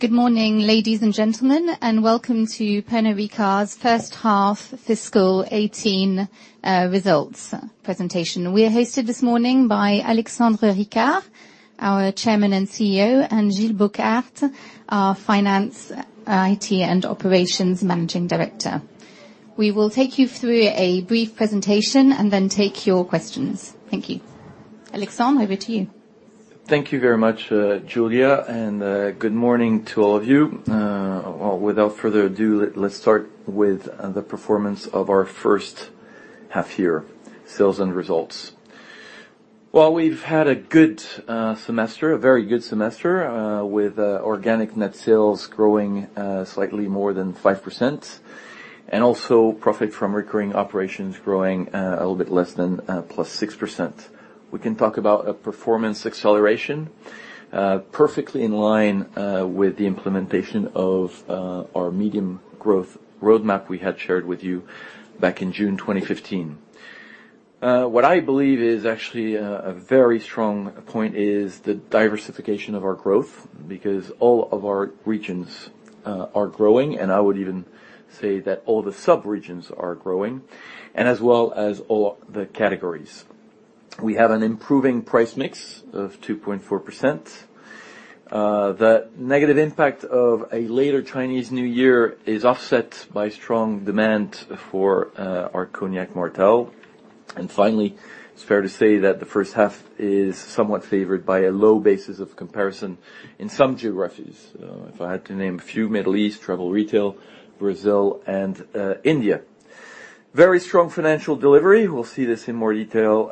Good morning, ladies and gentlemen, and welcome to Pernod Ricard's first half fiscal 2018 results presentation. We are hosted this morning by Alexandre Ricard, our Chairman and CEO, and Gilles Bogaert, our Finance, IT, and Operations Managing Director. We will take you through a brief presentation and then take your questions. Thank you. Alexandre, over to you. Thank you very much, Julia, and good morning to all of you. Without further ado, let's start with the performance of our first half-year sales and results. While we've had a very good semester, with organic net sales growing slightly more than 5%, also profit from recurring operations growing a little bit less than +6%. We can talk about a performance acceleration, perfectly in line with the implementation of our medium growth roadmap we had shared with you back in June 2015. What I believe is actually a very strong point is the diversification of our growth, because all of our regions are growing, and I would even say that all the sub-regions are growing, as well as all the categories. We have an improving price mix of 2.4%. The negative impact of a later Chinese New Year is offset by strong demand for our cognac, Martell. Finally, it's fair to say that the first half is somewhat favored by a low basis of comparison in some geographies. If I had to name a few, Middle East, travel retail, Brazil, and India. Very strong financial delivery. We'll see this in more detail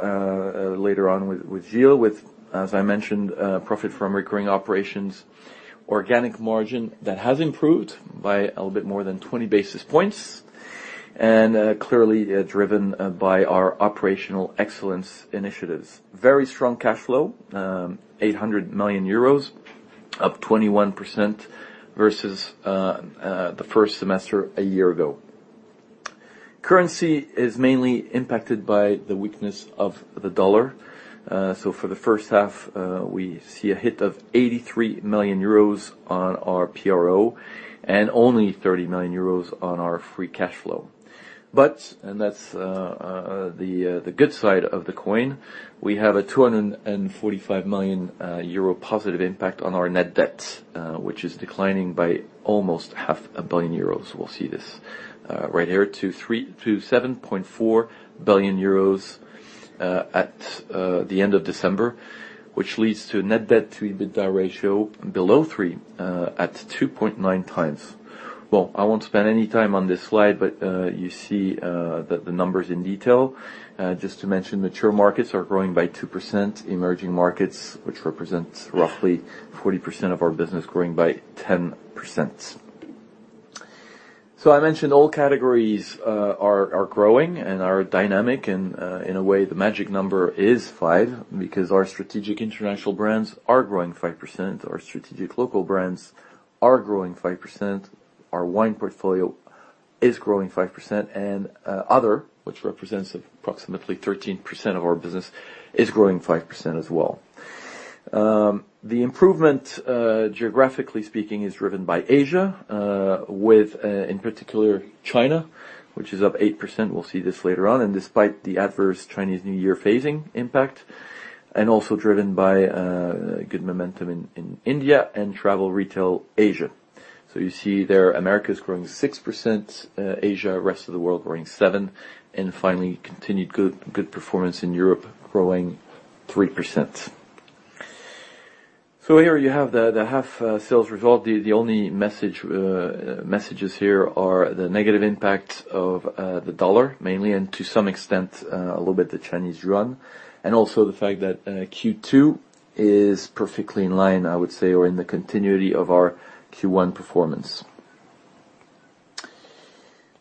later on with Gilles, with, as I mentioned, profit from recurring operations, organic margin that has improved by a little bit more than 20 basis points, and clearly driven by our operational excellence initiatives. Very strong cash flow, 800 million euros, up 21% versus the first semester a year ago. Currency is mainly impacted by the weakness of the U.S. dollar. For the first half, we see a hit of 83 million euros on our PRO, and only 30 million euros on our free cash flow. That's the good side of the coin, we have a 245 million euro positive impact on our net debt, which is declining by almost half a billion EUR. We'll see this right here to 7.4 billion euros at the end of December, which leads to a net debt to EBITDA ratio below three at 2.9 times. I won't spend any time on this slide, You see the numbers in detail. Just to mention, mature markets are growing by 2%. Emerging markets, which represents roughly 40% of our business, growing by 10%. I mentioned all categories are growing and are dynamic and, in a way, the magic number is 5 because our strategic international brands are growing 5%, our strategic local brands are growing 5%, our wine portfolio is growing 5%, and other, which represents approximately 13% of our business, is growing 5% as well. The improvement, geographically speaking, is driven by Asia, with in particular China, which is up 8%. We'll see this later on. Despite the adverse Chinese New Year phasing impact and also driven by good momentum in India and travel retail Asia. You see there, Americas growing 6%, Asia, rest of the world growing 7%, and finally, continued good performance in Europe, growing 3%. Here you have the half sales result. The only messages here are the negative impact of the U.S. dollar, mainly, and to some extent, a little bit of Chinese yuan. Also the fact that Q2 is perfectly in line, I would say, or in the continuity of our Q1 performance.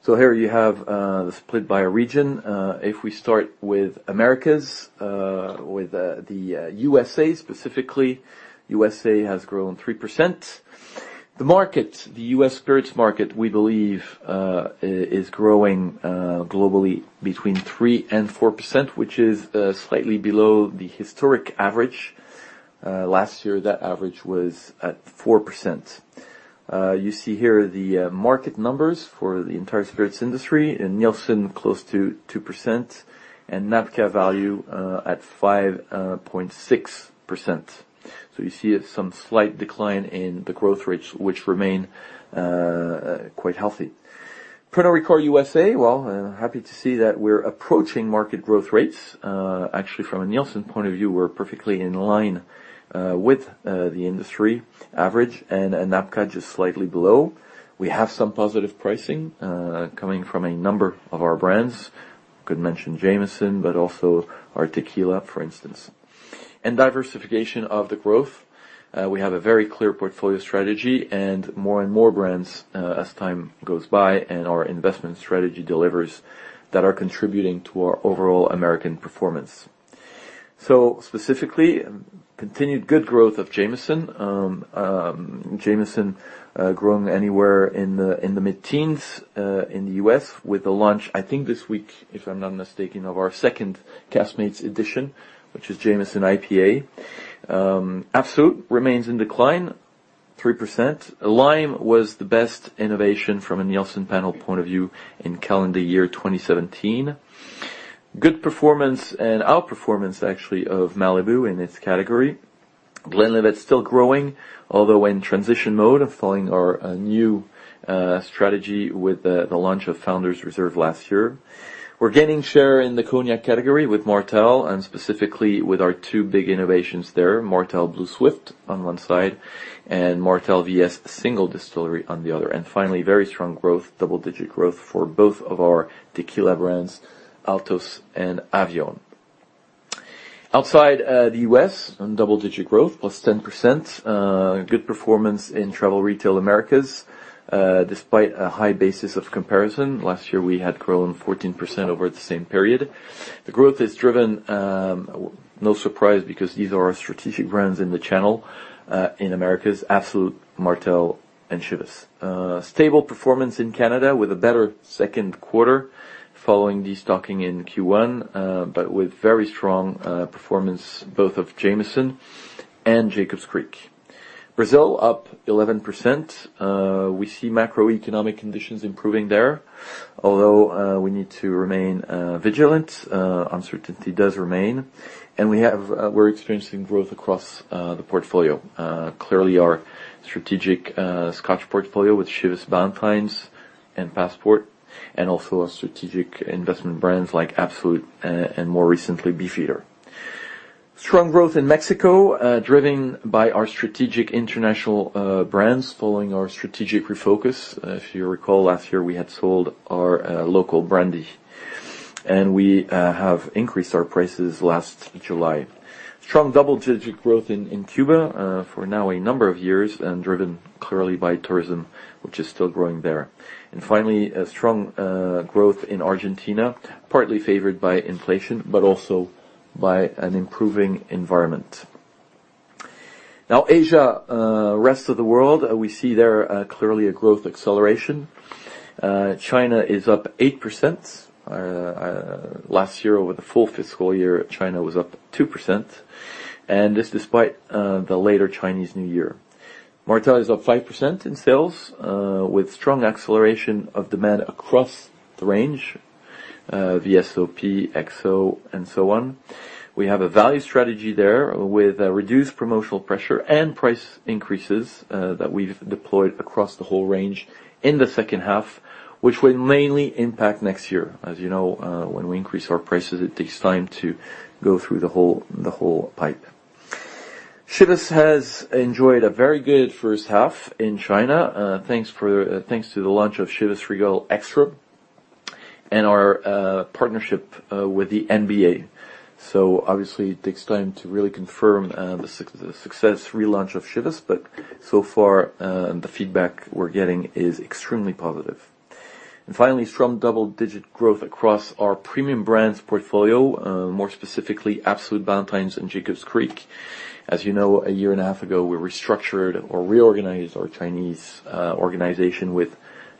Here you have the split by region. If we start with Americas, with the U.S. specifically, U.S. has grown 3%. The market, the U.S. spirits market, we believe is growing globally between 3% and 4%, which is slightly below the historic average. Last year, that average was at 4%. You see here the market numbers for the entire spirits industry in Nielsen close to 2% and NABCA value at 5.6%. You see it's some slight decline in the growth rates, which remain quite healthy. Pernod Ricard USA, well, happy to see that we're approaching market growth rates. Actually from a Nielsen point of view, we're perfectly in line with the industry average and NABCA just slightly below. We have some positive pricing coming from a number of our brands. Could mention Jameson, but also our tequila, for instance. Diversification of the growth. We have a very clear portfolio strategy and more and more brands as time goes by and our investment strategy delivers that are contributing to our overall American performance. Specifically, continued good growth of Jameson. Jameson Growing anywhere in the mid-teens in the U.S. with the launch, I think this week, if I'm not mistaken, of our second Caskmates edition, which is Jameson IPA. Absolut remains in decline 3%. Lime was the best innovation from a Nielsen panel point of view in calendar year 2017. Good performance and outperformance actually, of Malibu in its category. Glenlivet's still growing, although in transition mode, following our new strategy with the launch of Founder's Reserve last year. We're gaining share in the cognac category with Martell and specifically with our two big innovations there, Martell Blue Swift on one side and Martell VS Single Distillery on the other. Finally, very strong growth, double-digit growth for both of our tequila brands, Altos and Avión. Outside the U.S., on double-digit growth, plus 10%. Good performance in travel retail Americas, despite a high basis of comparison. Last year, we had grown 14% over the same period. The growth is driven, no surprise, because these are our strategic brands in the channel, in Americas, Absolut, Martell, and Chivas. Stable performance in Canada with a better second quarter following destocking in Q1, but with very strong performance, both of Jameson and Jacob's Creek. Brazil, up 11%. We see macroeconomic conditions improving there, although, we need to remain vigilant. Uncertainty does remain. We're experiencing growth across the portfolio. Clearly, our strategic Scotch portfolio with Chivas Brothers, Ballantine's, and Passport, and also our strategic investment brands like Absolut, and more recently, Beefeater. Strong growth in Mexico, driven by our strategic international brands following our strategic refocus. If you recall, last year, we had sold our local brandy. We have increased our prices last July. Strong double-digit growth in Cuba, for now a number of years, driven clearly by tourism, which is still growing there. Finally, a strong growth in Argentina, partly favored by inflation, but also by an improving environment. Asia, rest of the world, we see there clearly a growth acceleration. China is up 8%. Last year over the full fiscal year, China was up 2%, and this despite the later Chinese New Year. Martell is up 5% in sales, with strong acceleration of demand across the range, VSOP, XO, and so on. We have a value strategy there with reduced promotional pressure and price increases, that we've deployed across the whole range in the second half, which will mainly impact next year. As you know, when we increase our prices, it takes time to go through the whole pipe. Chivas has enjoyed a very good first half in China. Thanks to the launch of Chivas Regal Extra and our partnership with the NBA. Obviously, it takes time to really confirm the success relaunch of Chivas, but so far, the feedback we're getting is extremely positive. Finally, strong double-digit growth across our premium brands portfolio, more specifically Absolut, Ballantine's, and Jacob's Creek. As you know, a year and a half ago, we restructured or reorganized our Chinese organization with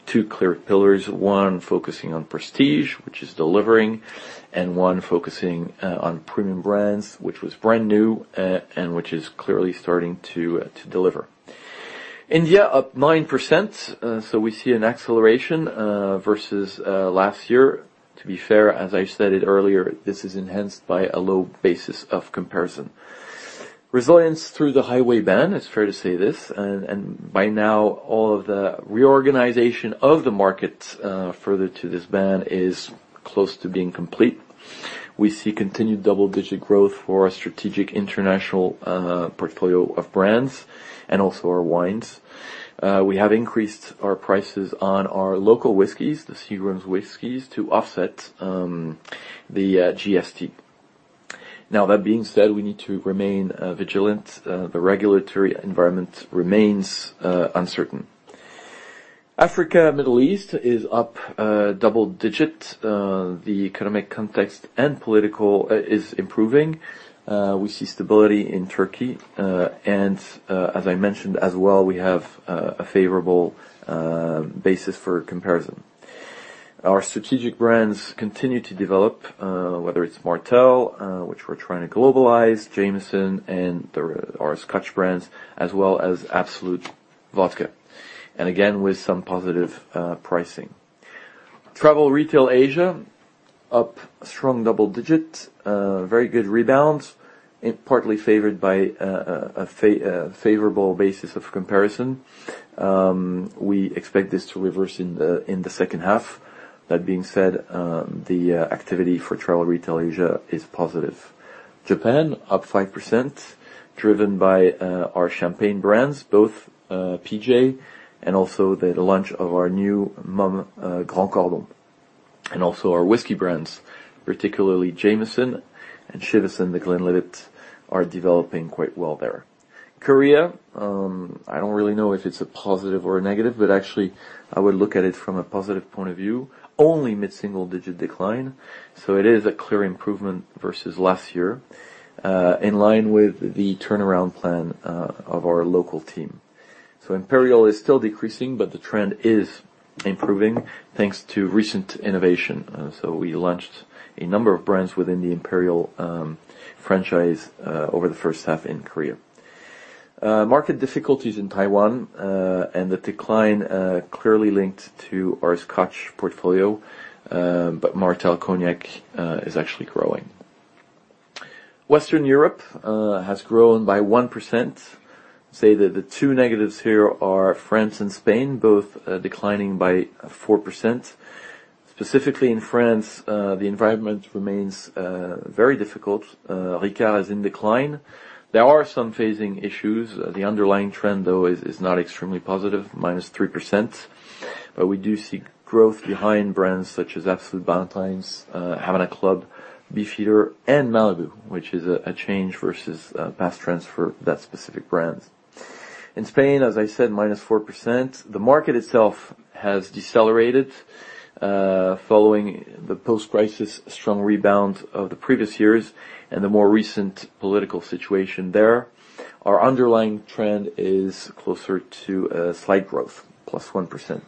two clear pillars. One focusing on prestige, which is delivering, one focusing on premium brands, which was brand new, and which is clearly starting to deliver. India, up 9%, we see an acceleration versus last year. To be fair, as I stated earlier, this is enhanced by a low basis of comparison. Resilience through the highway ban, it's fair to say this, by now, all of the reorganization of the market further to this ban is close to being complete. We see continued double-digit growth for our strategic international portfolio of brands and also our wines. We have increased our prices on our local whiskeys, the Seagram's whiskeys, to offset the GST. That being said, we need to remain vigilant. The regulatory environment remains uncertain. Africa, Middle East is up double-digit. The economic context and political is improving. We see stability in Turkey, as I mentioned as well, we have a favorable basis for comparison. Our strategic brands continue to develop, whether it's Martell, which we're trying to globalize, Jameson and our Scotch brands, as well as Absolut Vodka. Again, with some positive pricing. Travel retail Asia, up strong double-digit. Very good rebound, partly favored by a favorable basis of comparison. We expect this to reverse in the second half. That being said, the activity for travel retail Asia is positive. Japan, up 5%, driven by our champagne brands, both PJ and also the launch of our new Mumm Grand Cordon. Also our whiskey brands, particularly Jameson and Chivas and The Glenlivet are developing quite well there. Korea, I don't really know if it's a positive or a negative, but actually, I would look at it from a positive point of view. Only mid-single digit decline. It is a clear improvement versus last year, in line with the turnaround plan of our local team. Imperial is still decreasing, but the trend is improving, thanks to recent innovation. We launched a number of brands within the Imperial franchise over the first half in Korea. Market difficulties in Taiwan, and the decline clearly linked to our Scotch portfolio, but Martell Cognac is actually growing. Western Europe has grown by 1%. I'd say that the two negatives here are France and Spain, both declining by 4%. Specifically in France, the environment remains very difficult. Ricard is in decline. There are some phasing issues. The underlying trend, though, is not extremely positive, -3%. We do see growth behind brands such as Absolut, Ballantine's, Havana Club, Beefeater, and Malibu, which is a change versus past trends for that specific brand. In Spain, as I said, -4%. The market itself has decelerated following the post-crisis strong rebound of the previous years and the more recent political situation there. Our underlying trend is closer to a slight growth, +1%.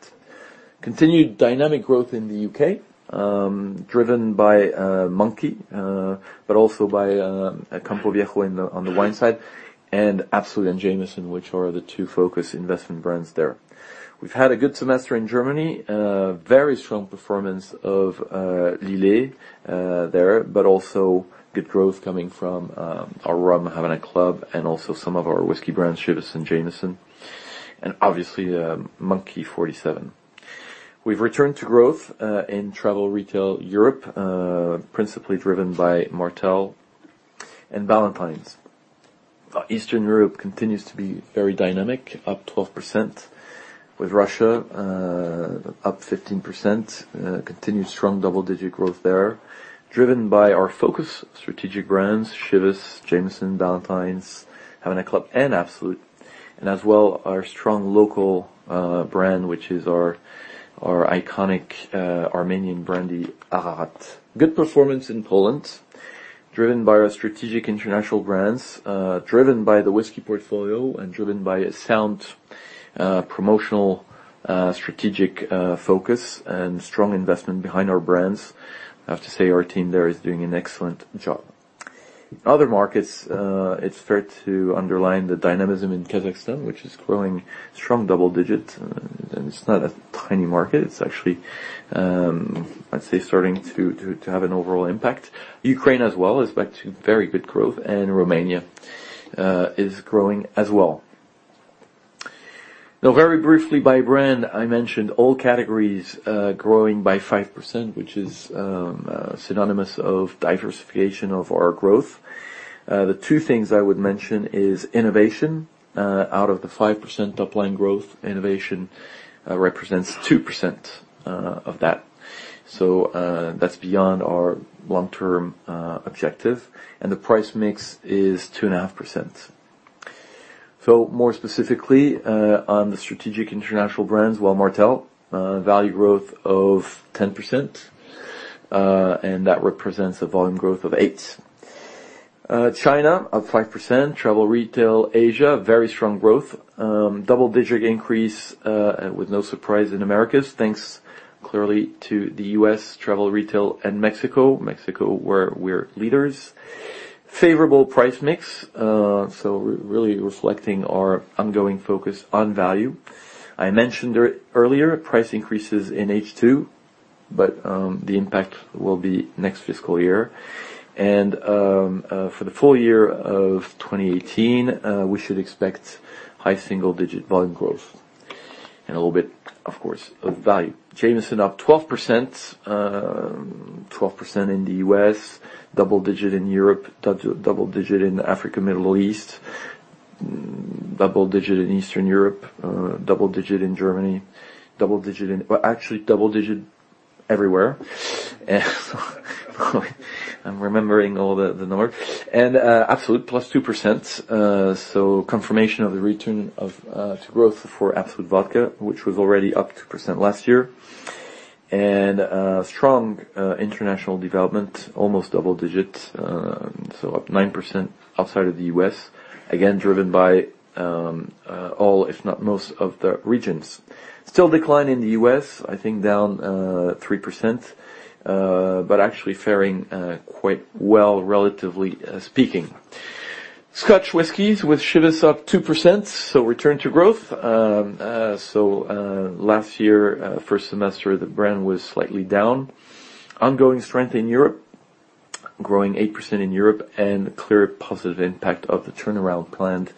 Continued dynamic growth in the U.K., driven by Monkey, but also by Campo Viejo on the wine side and Absolut and Jameson, which are the two focus investment brands there. We've had a good semester in Germany. Very strong performance of Lillet there, but also good growth coming from our rum, Havana Club, and also some of our whiskey brands, Chivas and Jameson, and obviously, Monkey 47. We've returned to growth in travel retail Europe, principally driven by Martell and Ballantine's. Eastern Europe continues to be very dynamic, +12%, with Russia +15%. Continued strong double-digit growth there, driven by our focus strategic brands, Chivas, Jameson, Ballantine's, Havana Club, and Absolut, as well as our strong local brand, which is our iconic Armenian brandy, Ararat. Good performance in Poland, driven by our strategic international brands, driven by the whiskey portfolio, and driven by a sound promotional strategic focus and strong investment behind our brands. I have to say, our team there is doing an excellent job. Other markets, it's fair to underline the dynamism in Kazakhstan, which is growing strong double digits. It's not a tiny market. It's actually, I'd say, starting to have an overall impact. Ukraine as well is back to very good growth, and Romania is growing as well. Very briefly by brand, I mentioned all categories growing by 5%, which is synonymous of diversification of our growth. The two things I would mention is innovation. Out of the 5% upline growth, innovation represents 2% of that. That's beyond our long-term objective. The price mix is 2.5%. More specifically, on the strategic international brands, well, Martell, value growth of 10%, and that represents a volume growth of 8. China, +5%. Travel retail Asia, very strong growth. Double-digit increase with no surprise in Americas, thanks clearly to the U.S. travel retail and Mexico. Mexico, where we're leaders. Favorable price mix. Really reflecting our ongoing focus on value. I mentioned earlier, price increases in H2, but the impact will be next fiscal year. For the full year of 2018, we should expect high single-digit volume growth and a little bit, of course, of value. Jameson +12%. 12% in the U.S., double digit in Europe, double digit in Africa, Middle East, double digit in Eastern Europe, double digit in Germany, well actually double digit everywhere. I'm remembering all the numbers. Absolut, +2%. Confirmation of the return to growth for Absolut Vodka, which was already up 2% last year. Strong international development, almost double digits, so up 9% outside of the U.S., again, driven by all, if not most of the regions. Still decline in the U.S., I think -3%, but actually faring quite well, relatively speaking. Scotch whiskies with Chivas +2%, so return to growth. Last year, first semester, the brand was slightly down. Ongoing strength in Europe. Growing 8% in Europe and clear positive impact of the turnaround plan.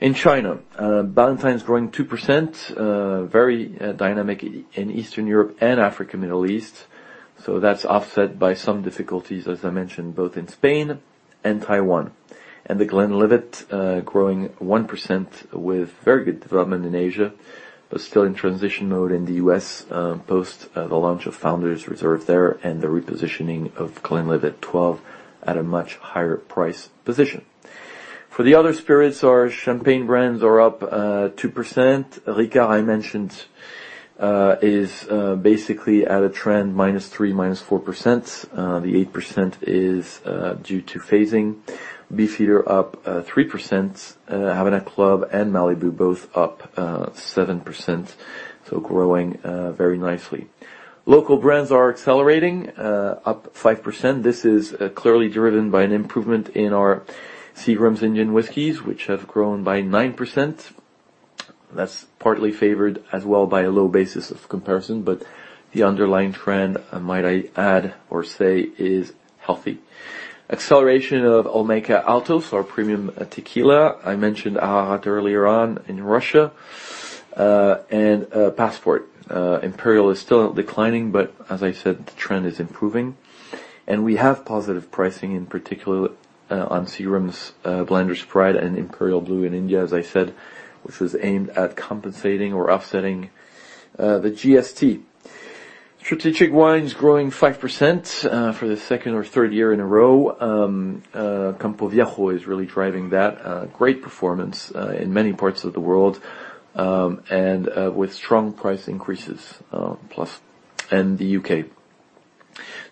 In China, Ballantine's growing +2%, very dynamic in Eastern Europe and Africa, Middle East. That's offset by some difficulties, as I mentioned, both in Spain and Taiwan. The Glenlivet growing +1% with very good development in Asia, but still in transition mode in the U.S. post the launch of Founder's Reserve there and the repositioning of The Glenlivet 12 at a much higher price position. For the other spirits, our champagne brands are +2%. Ricard, I mentioned, is basically at a trend -3%, -4%. The 8% is due to phasing. Beefeater +3%. Havana Club and Malibu both +7%, so growing very nicely. Local brands are accelerating, +5%. This is clearly driven by an improvement in our Seagram's Indian whiskies, which have grown by +9%. That's partly favored as well by a low basis of comparison. The underlying trend, might I add or say, is healthy. Acceleration of Olmeca Altos, our premium tequila. I mentioned Ararat earlier on in Russia. Passport. Imperial is still declining, but as I said, the trend is improving. We have positive pricing, in particular on Seagram's Blenders Pride and Imperial Blue in India, as I said, which was aimed at compensating or offsetting the GST. Strategic wines growing +5% for the second or third year in a row. Campo Viejo is really driving that. Great performance in many parts of the world, and with strong price increases, plus in the U.K.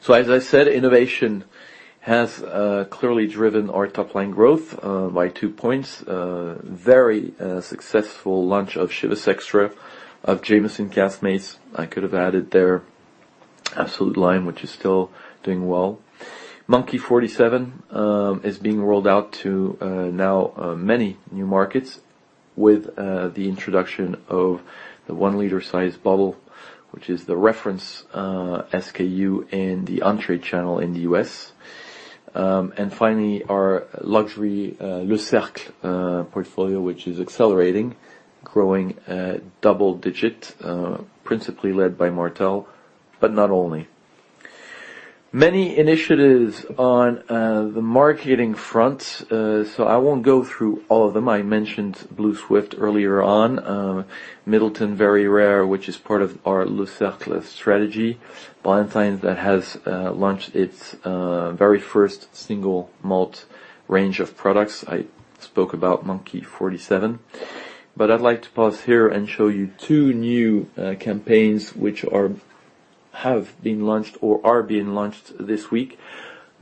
As I said, innovation has clearly driven our top-line growth by two points. Very successful launch of Chivas Extra, of Jameson Caskmates. I could have added there Absolut Lime, which is still doing well. Monkey 47 is being rolled out to now many new markets with the introduction of the one-liter-size bottle, which is the reference SKU in the on-trade channel in the U.S. Finally, our luxury Le Cercle portfolio, which is accelerating, growing double digit, principally led by Martell, but not only. Many initiatives on the marketing front, so I won't go through all of them. I mentioned Blue Swift earlier on. Midleton Very Rare, which is part of our Le Cercle strategy. Ballantine's that has launched its very first single malt range of products. I spoke about Monkey 47. I'd like to pause here and show you two new campaigns which have been launched or are being launched this week.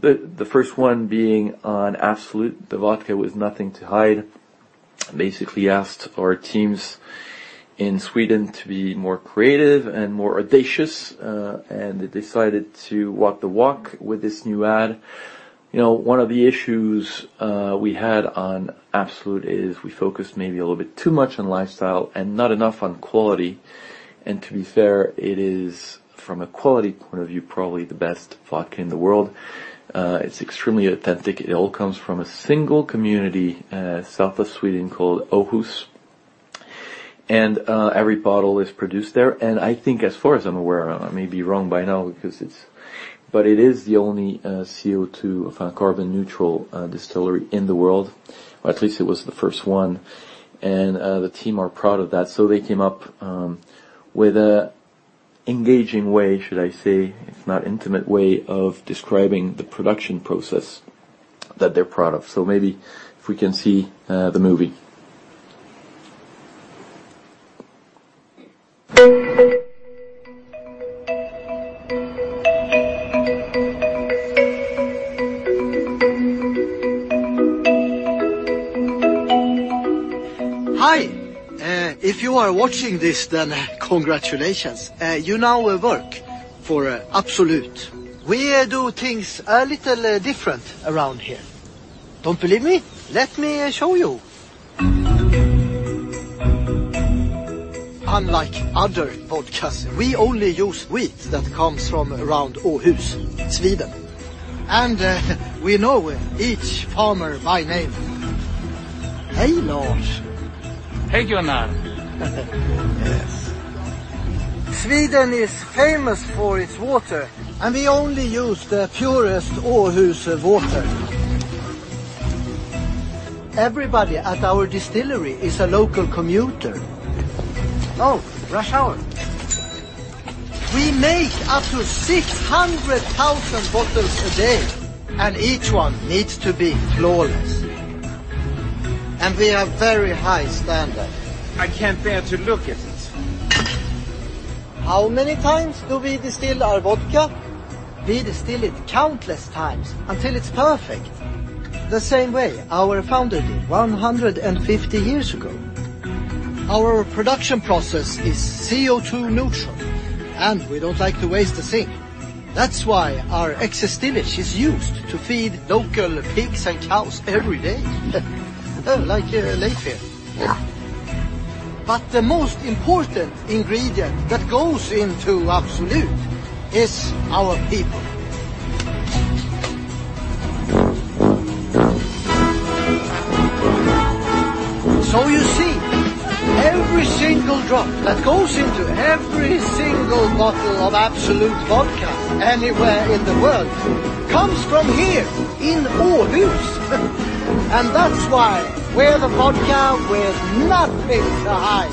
The first one being on Absolut. The vodka with nothing to hide. Basically asked our teams in Sweden to be more creative and more audacious, they decided to walk the walk with this new ad. One of the issues we had on Absolut is we focused maybe a little bit too much on lifestyle and not enough on quality. To be fair, it is, from a quality point of view, probably the best vodka in the world. It's extremely authentic. It all comes from a single community south of Sweden called Åhus, every bottle is produced there. I think, as far as I'm aware, I may be wrong by now, but it is the only CO2 carbon neutral distillery in the world, or at least it was the first one, and the team are proud of that. They came up with an engaging way, should I say, if not intimate way, of describing the production process that they're proud of. Maybe if we can see the movie. Hi. If you are watching this, then congratulations. You now work for Absolut. We do things a little different around here. Don't believe me? Let me show you. Unlike other vodkas, we only use wheat that comes from around Åhus, Sweden, we know each farmer by name. Hey, Lars. Hey, Gunnar. Yes. Sweden is famous for its water, and we only use the purest Åhus water. Everybody at our distillery is a local commuter. Oh, rush hour. We make up to 600,000 bottles a day, and each one needs to be flawless. We have very high standards. I can't bear to look at it. How many times do we distill our vodka? We distill it countless times until it's perfect. The same way our founder did 150 years ago. Our production process is CO2 neutral, and we don't like to waste a thing. That's why our excess distillates is used to feed local pigs and cows every day. Like Leif here. The most important ingredient that goes into Absolut is our people. You see, every single drop that goes into every single bottle of Absolut Vodka anywhere in the world comes from here in Åhus. That's why we're the vodka with nothing to hide.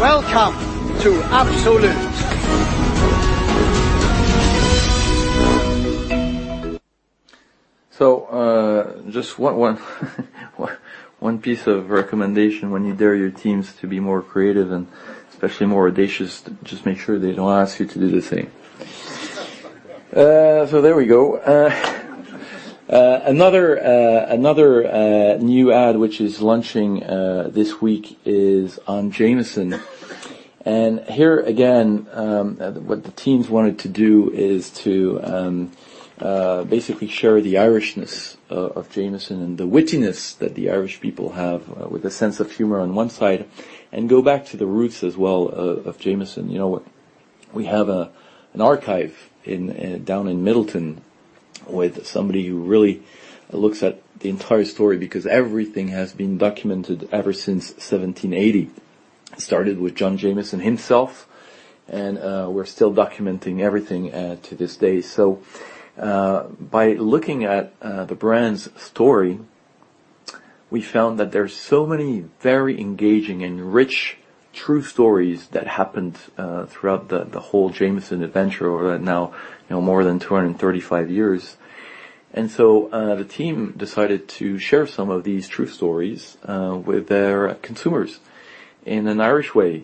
Welcome to Absolut. Just one piece of recommendation, when you dare your teams to be more creative and especially more audacious, just make sure they don't ask you to do the same. There we go. Another new ad, which is launching this week, is on Jameson. Here, again, what the teams wanted to do is to basically share the Irishness of Jameson and the wittiness that the Irish people have, with the sense of humor on one side, and go back to the roots as well, of Jameson. We have an archive down in Midleton with somebody who really looks at the entire story, because everything has been documented ever since 1780. It started with John Jameson himself, and we're still documenting everything to this day. By looking at the brand's story, we found that there is so many very engaging and rich true stories that happened throughout the whole Jameson adventure over that now more than 235 years. The team decided to share some of these true stories with their consumers in an Irish way.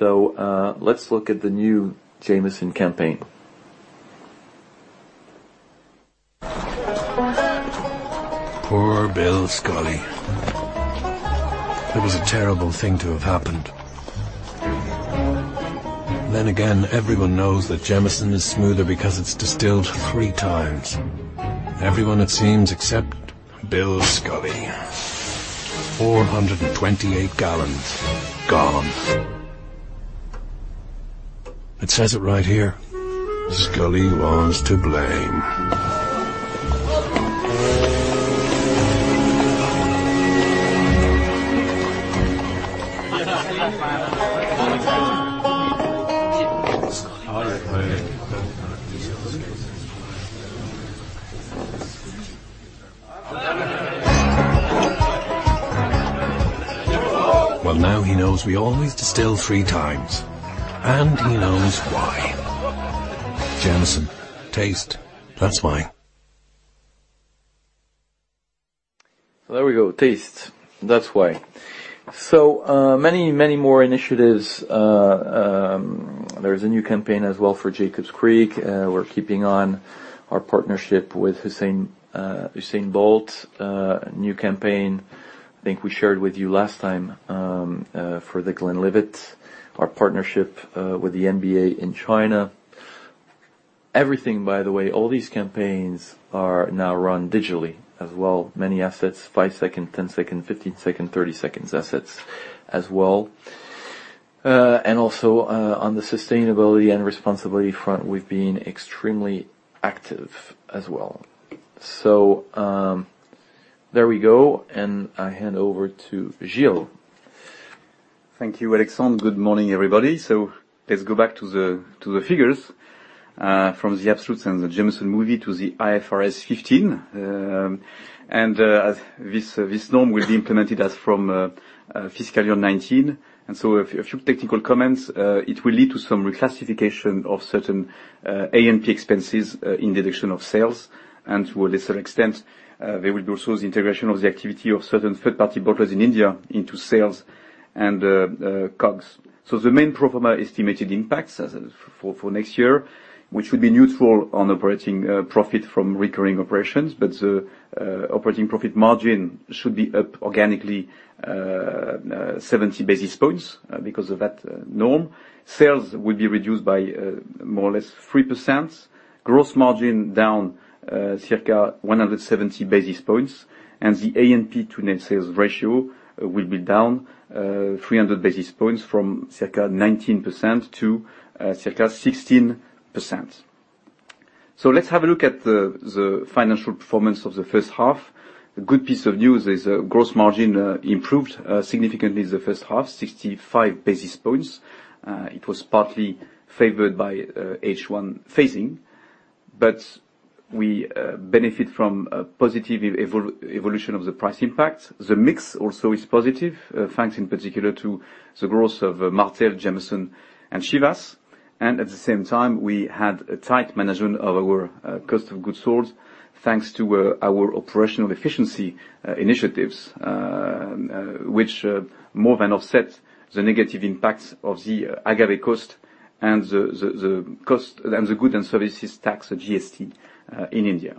Let's look at the new Jameson campaign. Poor Bill Scully. It was a terrible thing to have happened. Then again, everyone knows that Jameson is smoother because it is distilled three times. Everyone, it seems, except Bill Scully. 428 gallons gone. It says it right here. Scully was to blame. Well, now he knows we always distill three times, and he knows why. Jameson. Taste. That is why. There we go. Taste. That is why. Many more initiatives. There is a new campaign as well for Jacob's Creek. We are keeping on our partnership with Usain Bolt. A new campaign, I think we shared with you last time, for The Glenlivet. Our partnership with the NBA in China. Everything, by the way, all these campaigns are now run digitally as well. Many assets, five second, 10 second, 15 second, 30 second assets as well. Also, on the sustainability and responsibility front, we have been extremely active as well. There we go, and I hand over to Gilles. Thank you, Alexandre. Good morning, everybody. Let's go back to the figures from the Absolut and the Jameson movie to the IFRS 15. As this norm will be implemented as from fiscal year 2019, a few technical comments. It will lead to some reclassification of certain A&P expenses in relation of sales and to a lesser extent, there will be also the integration of the activity of certain third-party bottlers in India into sales and COGS. The main pro forma estimated impacts as is for next year, which would be neutral on operating profit from recurring operations, but the operating profit margin should be up organically 70 basis points because of that norm. Sales will be reduced by more or less 3%. Gross margin down circa 170 basis points. The A&P to net sales ratio will be down 300 basis points from circa 19% to circa 16%. Let's have a look at the financial performance of the first half. A good piece of news is gross margin improved significantly in the first half, 65 basis points. It was partly favored by H1 phasing, but we benefit from a positive evolution of the price impact. The mix also is positive, thanks in particular to the growth of Martell, Jameson, and Chivas. At the same time, we had a tight management of our cost of goods sold thanks to our operational efficiency initiatives, which more than offset the negative impacts of the agave cost and the Goods and Services Tax, the GST, in India.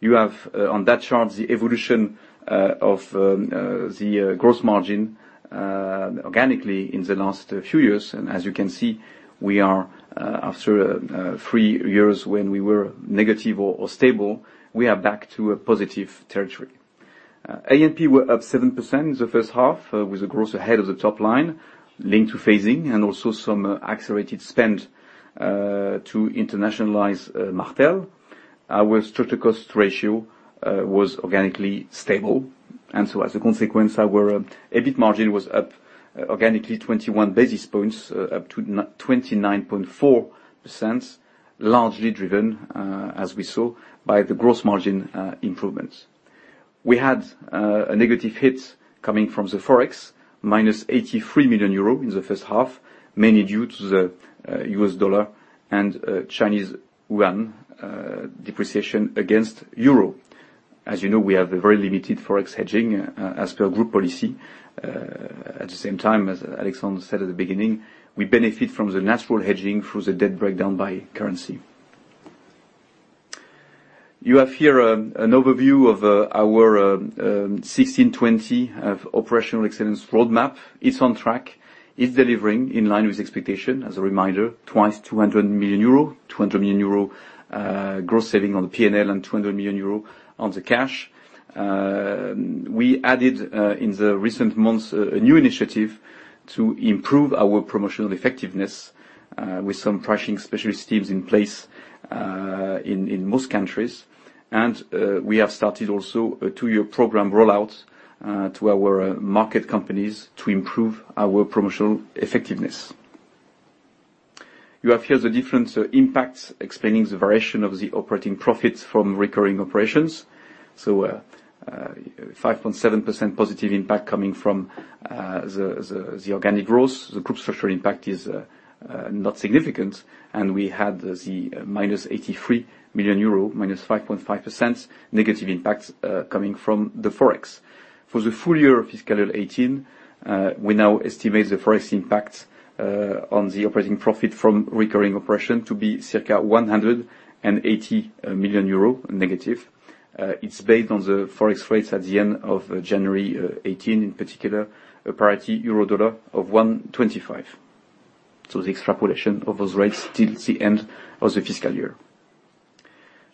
You have, on that chart, the evolution of the gross margin, organically in the last few years. As you can see, after three years when we were negative or stable, we are back to a positive territory. A&P were up 7% in the first half, with a growth ahead of the top line linked to phasing and also some accelerated spend to internationalize Martell. Our structural cost ratio was organically stable, as a consequence, our EBIT margin was up organically 21 basis points, up to 29.4%, largely driven, as we saw, by the gross margin improvements. We had a negative hit coming from the Forex, minus 83 million euro in the first half, mainly due to the US dollar and Chinese yuan depreciation against euro. As you know, we have a very limited Forex hedging as per group policy. At the same time, as Alexandre said at the beginning, we benefit from the natural hedging through the debt breakdown by currency. You have here an overview of our 16/20 operational excellence roadmap. It's on track. It's delivering in line with expectation. As a reminder, twice 200 million euro. 200 million euro gross saving on P&L and 200 million euro on the cash. We added, in the recent months, a new initiative to improve our promotional effectiveness with some pricing specialist teams in place in most countries. We have started also a two-year program rollout to our market companies to improve our promotional effectiveness. You have here the different impacts explaining the variation of the operating profits from recurring operations. 5.7% positive impact coming from the organic growth. The group structural impact is not significant. We had the minus 83 million euro, minus 5.5% negative impact coming from the Forex. For the full year of FY 2018, we now estimate the Forex impact on the operating profit from recurring operation to be circa 180 million euro negative. It's based on the Forex rates at the end of January 2018, in particular, a parity euro/dollar of 1.25. The extrapolation of those rates till the end of the fiscal year.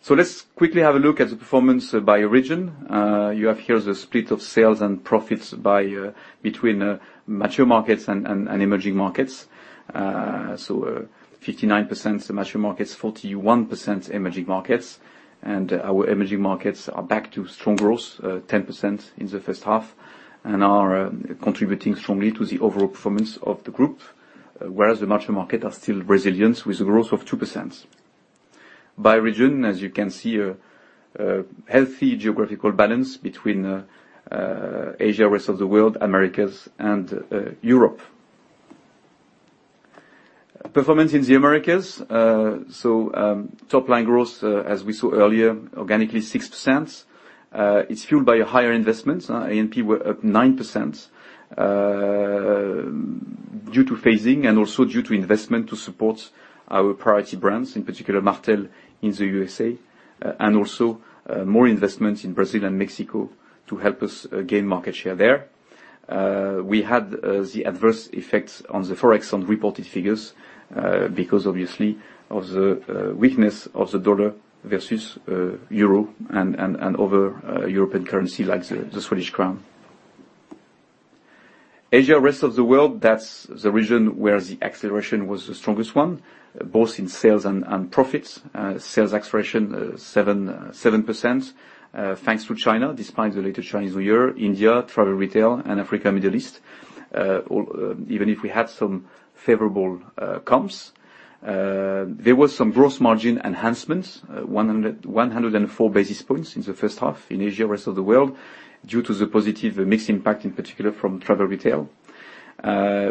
Let's quickly have a look at the performance by region. You have here the split of sales and profits between mature markets and emerging markets. 59% mature markets, 41% emerging markets. Our emerging markets are back to strong growth, 10% in the first half, and are contributing strongly to the overall performance of the group, whereas the mature market are still resilient with a growth of 2%. By region, as you can see, a healthy geographical balance between Asia, rest of the world, Americas, and Europe. Performance in the Americas. Top line growth, as we saw earlier, organically 6%. It's fueled by higher investments. A&P were up 9% due to phasing and also due to investment to support our priority brands, in particular Martell in the U.S.A. Also more investments in Brazil and Mexico to help us gain market share there. We had the adverse effects on the Forex on reported figures, because obviously of the weakness of the dollar versus euro and other European currency like the Swedish krona. Asia, rest of the world, that's the region where the acceleration was the strongest one, both in sales and profits. Sales acceleration 7%, thanks to China, despite the later Chinese New Year, India, travel retail and Africa, Middle East. Even if we had some favorable comps. There was some gross margin enhancements, 104 basis points in the first half in Asia, rest of the world, due to the positive mix impact, in particular from travel retail.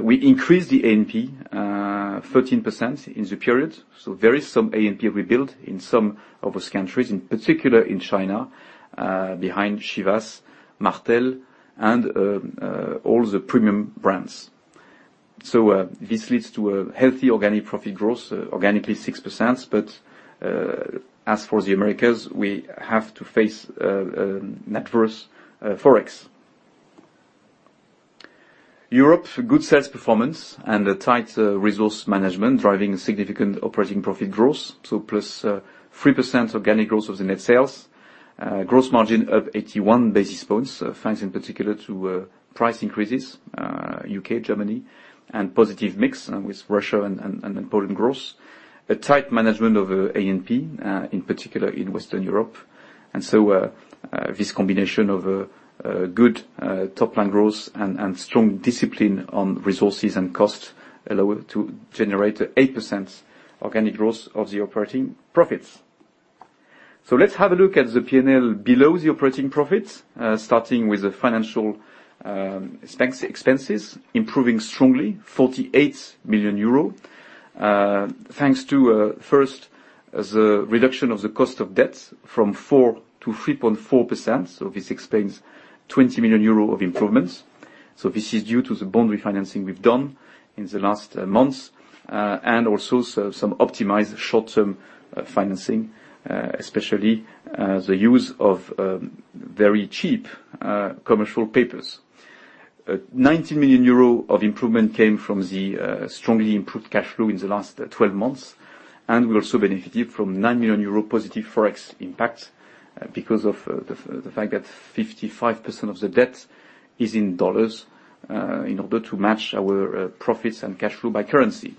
We increased the A&P 13% in the period. There is some A&P rebuild in some of those countries, in particular in China, behind Chivas, Martell, and all the premium brands. This leads to a healthy organic profit growth, organically 6%, but as for the Americas, we have to face adverse Forex. Europe, good sales performance and tight resource management driving significant operating profit growth. Plus 3% organic growth of the net sales. Gross margin up 81 basis points, thanks in particular to price increases, U.K., Germany, and positive mix with Russia and important growth. A tight management of A&P, in particular in Western Europe. This combination of good top line growth and strong discipline on resources and costs allow it to generate 8% organic growth of the operating profits. Let's have a look at the P&L below the operating profits. Starting with the financial expenses improving strongly, 48 million euro, thanks to, first, the reduction of the cost of debt from 4% to 3.4%. This explains 20 million euro of improvements. This is due to the bond refinancing we've done in the last months, and also some optimized short-term financing, especially the use of very cheap commercial papers. 90 million euro of improvement came from the strongly improved cash flow in the last 12 months. We also benefited from 9 million euro positive Forex impact because of the fact that 55% of the debt is in U.S. dollars, in order to match our profits and cash flow by currency.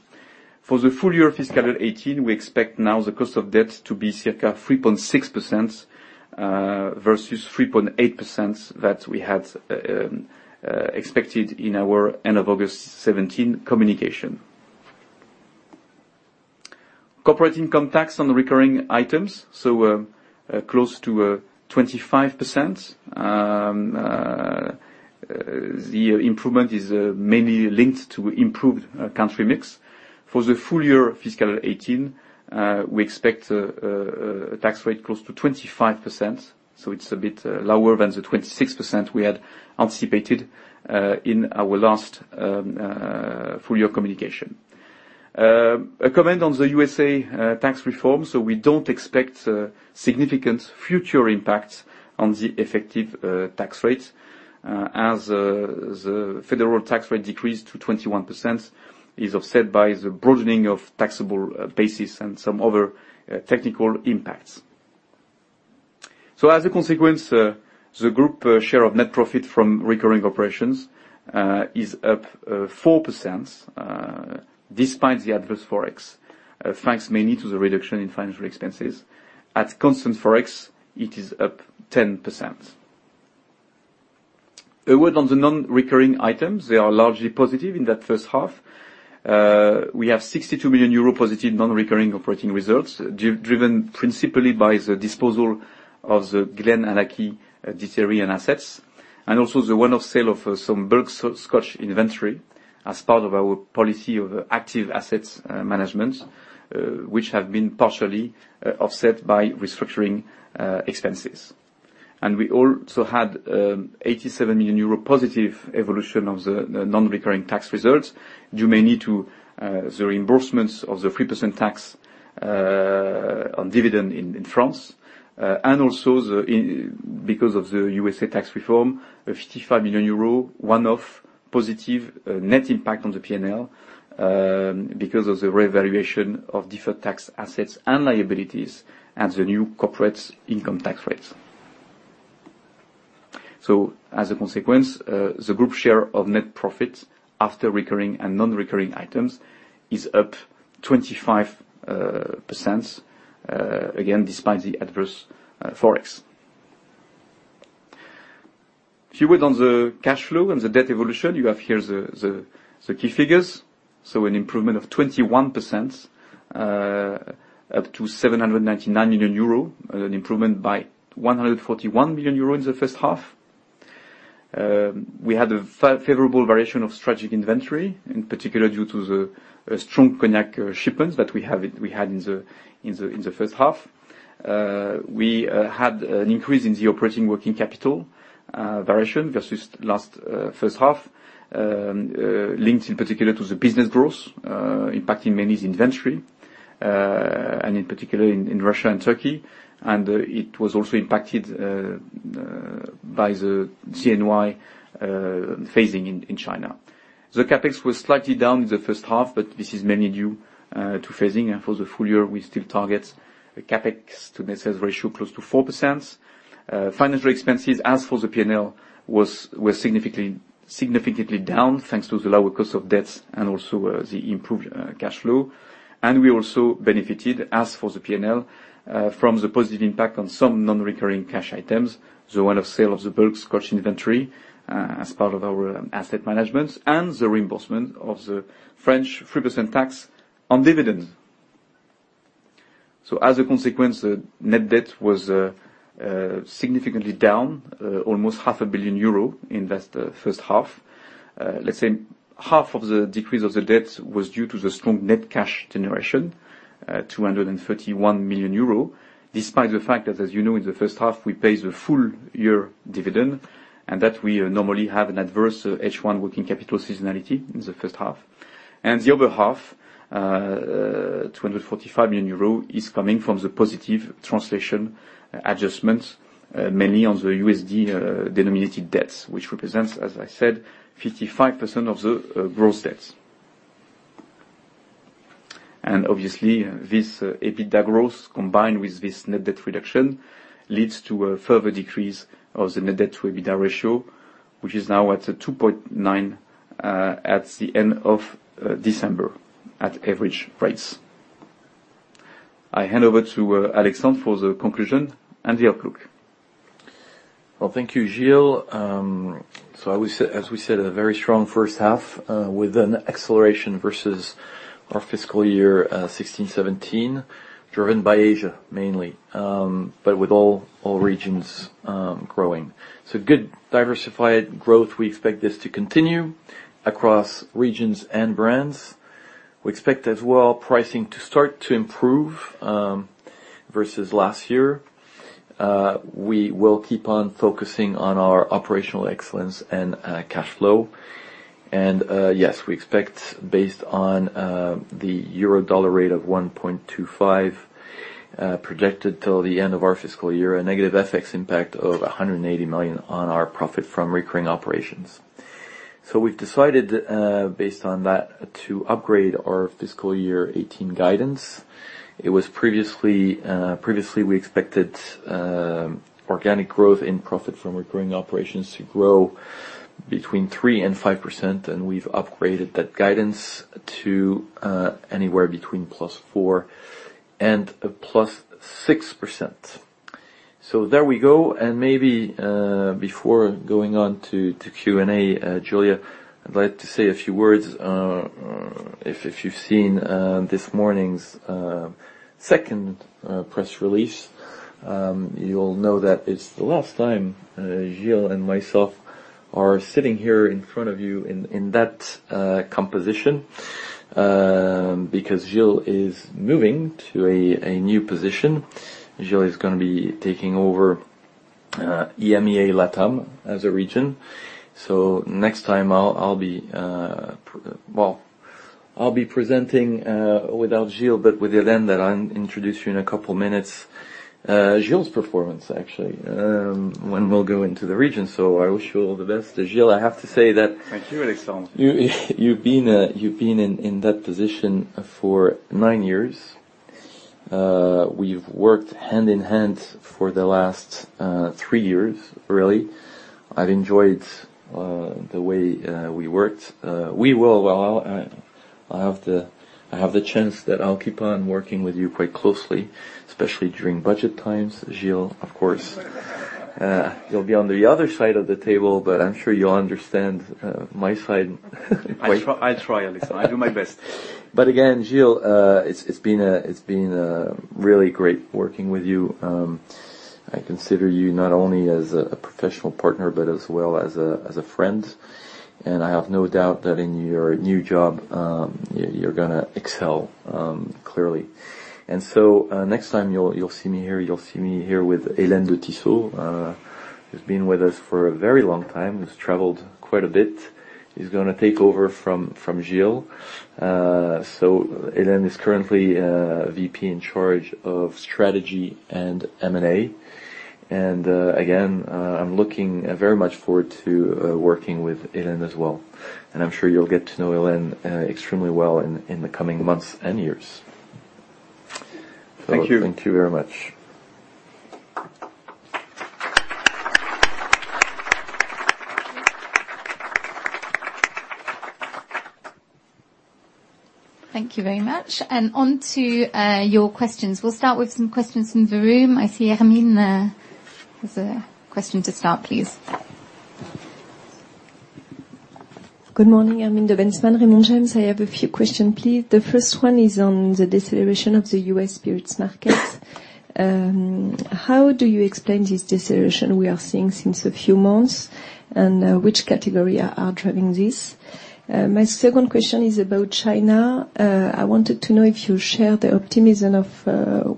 For the full year fiscal 2018, we expect now the cost of debt to be circa 3.6% versus 3.8% that we had expected in our end of August 2017 communication. Corporate income tax on recurring items, close to 25%. The improvement is mainly linked to improved country mix. For the full year fiscal 2018, we expect a tax rate close to 25%. It's a bit lower than the 26% we had anticipated in our last full year communication. A comment on the USA tax reform. We don't expect significant future impact on the effective tax rate, as the federal tax rate decrease to 21% is offset by the broadening of taxable basis and some other technical impacts. As a consequence, the group share of net profit from recurring operations is up 4% despite the adverse Forex, thanks mainly to the reduction in financial expenses. At constant Forex, it is up 10%. A word on the non-recurring items. They are largely positive in that first half. We have 62 million euro positive non-recurring operating results, driven principally by the disposal of the GlenAllachie distillery and assets, and also the one-off sale of some bulk Scotch inventory as part of our policy of active assets management, which have been partially offset by restructuring expenses. We also had 87 million euro positive evolution of the non-recurring tax results, due mainly to the reimbursements of the 3% tax on dividend in France. Also, because of the USA tax reform, a 55 million euro one-off positive net impact on the P&L because of the revaluation of different tax assets and liabilities at the new corporate income tax rates. As a consequence, the group share of net profit after recurring and non-recurring items is up 25%, again, despite the adverse ForEx. A few word on the cash flow and the debt evolution. You have here the key figures. An improvement of 21% up to 799 million euro, an improvement by 141 million euro in the first half. We had a favorable variation of strategic inventory, in particular due to the strong cognac shipments that we had in the first half. We had an increase in the operating working capital variation versus first half, linked in particular to the business growth, impacting mainly the inventory, and in particular in Russia and Turkey. It was also impacted by the CNY phasing in China. The CapEx was slightly down in the first half, but this is mainly due to phasing. For the full year, we still target a CapEx to assets ratio close to 4%. Financial expenses as for the P&L were significantly down, thanks to the lower cost of debts and also the improved cash flow. We also benefited, as for the P&L, from the positive impact on some non-recurring cash items, the one-off sale of the bulk Scotch inventory as part of our asset management and the reimbursement of the French 3% tax on dividends. As a consequence, net debt was significantly down, almost half a billion EUR in that first half. Let's say half of the decrease of the debt was due to the strong net cash generation, 231 million euro, despite the fact that, as you know, in the first half we paid the full year dividend and that we normally have an adverse H1 working capital seasonality in the first half. The other half, 245 million euro, is coming from the positive translation adjustment, mainly on the USD denominated debts, which represents, as I said, 55% of the gross debts. Obviously, this EBITDA growth combined with this net debt reduction leads to a further decrease of the net debt to EBITDA ratio, which is now at 2.9 at the end of December at average rates. I hand over to Alexandre for the conclusion and the outlook. Well, thank you, Gilles. As we said, a very strong first half with an acceleration versus our fiscal year 2016, 2017, driven by Asia mainly, but with all regions growing. Good diversified growth. We expect this to continue across regions and brands. We expect as well pricing to start to improve versus last year. We will keep on focusing on our operational excellence and cash flow. Yes, we expect based on the euro-dollar rate of 1.25 projected till the end of our fiscal year, a negative FX impact of 180 million on our profit from recurring operations. We've decided, based on that, to upgrade our fiscal year 2018 guidance. Previously, we expected organic growth in profit from recurring operations to grow between 3% and 5%, and we've upgraded that guidance to anywhere between plus 4% and plus 6%. There we go. Maybe before going on to Q&A, Julia, I'd like to say a few words. If you've seen this morning's second press release, you'll know that it's the last time Gilles and myself are sitting here in front of you in that composition, because Gilles is moving to a new position. Gilles is going to be taking over EMEA/LATAM as a region. Next time I'll be presenting without Gilles, but with Hélène that I'll introduce you in a couple of minutes. Gilles' performance, actually, when we'll go into the region. I wish you all the best. Gilles, I have to say that Thank you, Alexandre. You've been in that position for 9 years. We've worked hand-in-hand for the last 3 years, really. I've enjoyed the way we worked. I have the chance that I'll keep on working with you quite closely, especially during budget times, Gilles, of course. You'll be on the other side of the table, but I'm sure you'll understand my side I'll try, Alexandre. I'll do my best. Again, Gilles, it's been really great working with you. I consider you not only as a professional partner, but as well as a friend, and I have no doubt that in your new job, you're going to excel, clearly. Next time you'll see me here, you'll see me here with Hélène de Tissot, who's been with us for a very long time, who's traveled quite a bit, who's going to take over from Gilles. Hélène is currently VP in charge of strategy and M&A. Again, I'm looking very much forward to working with Hélène as well, and I'm sure you'll get to know Hélène extremely well in the coming months and years. Thank you. Thank you very much. Thank you very much. On to your questions. We'll start with some questions from the room. I see Hermine there with a question to start, please. Good morning. Hermine de Bentzmann, Raymond James. I have a few questions, please. The first one is on the deceleration of the U.S. spirits markets. How do you explain this deceleration we are seeing since a few months, and which categories are driving this? My second question is about China. I wanted to know if you share the optimism of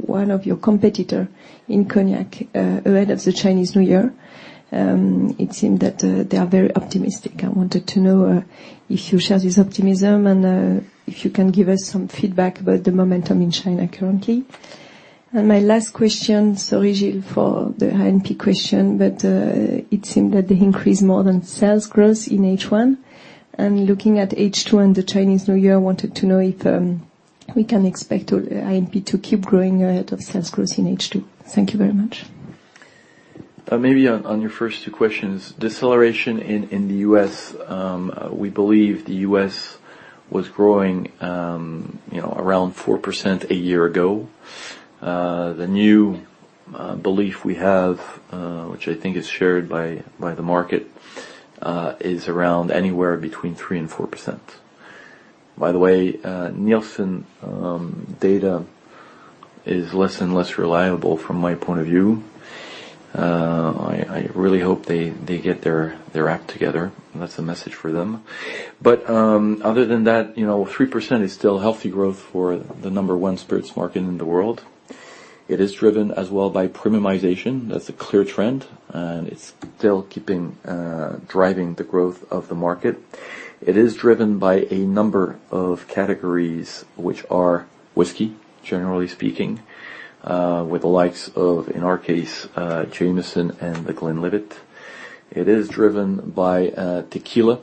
one of your competitors in Cognac ahead of the Chinese New Year. It seemed that they are very optimistic. I wanted to know if you share this optimism, and if you can give us some feedback about the momentum in China currently. My last question, sorry, Gilles, for the A&P question, it seemed that they increased more than sales growth in H1. Looking at H2 and the Chinese New Year, I wanted to know if we can expect A&P to keep growing ahead of sales growth in H2. Thank you very much. Maybe on your first two questions. Deceleration in the U.S., we believe the U.S. was growing around 4% a year ago. The new belief we have, which I think is shared by the market, is around anywhere between 3% and 4%. By the way, Nielsen data is less and less reliable from my point of view. I really hope they get their act together. That's a message for them. Other than that, 3% is still healthy growth for the number one spirits market in the world. It is driven as well by premiumization. That's a clear trend, and it's still driving the growth of the market. It is driven by a number of categories which are whiskey, generally speaking, with the likes of, in our case, Jameson and The Glenlivet. It is driven by tequila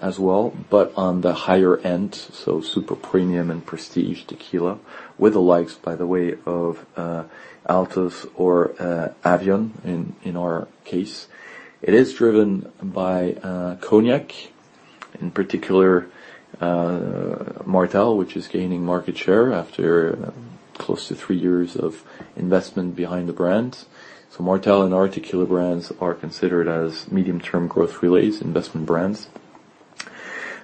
as well, on the higher end, so super premium and prestige tequila with the likes, by the way of Olmeca Altos or Avión in our case. It is driven by Cognac, in particular, Martell, which is gaining market share after close to three years of investment behind the brand. Martell and our tequila brands are considered as medium-term growth relays, investment brands.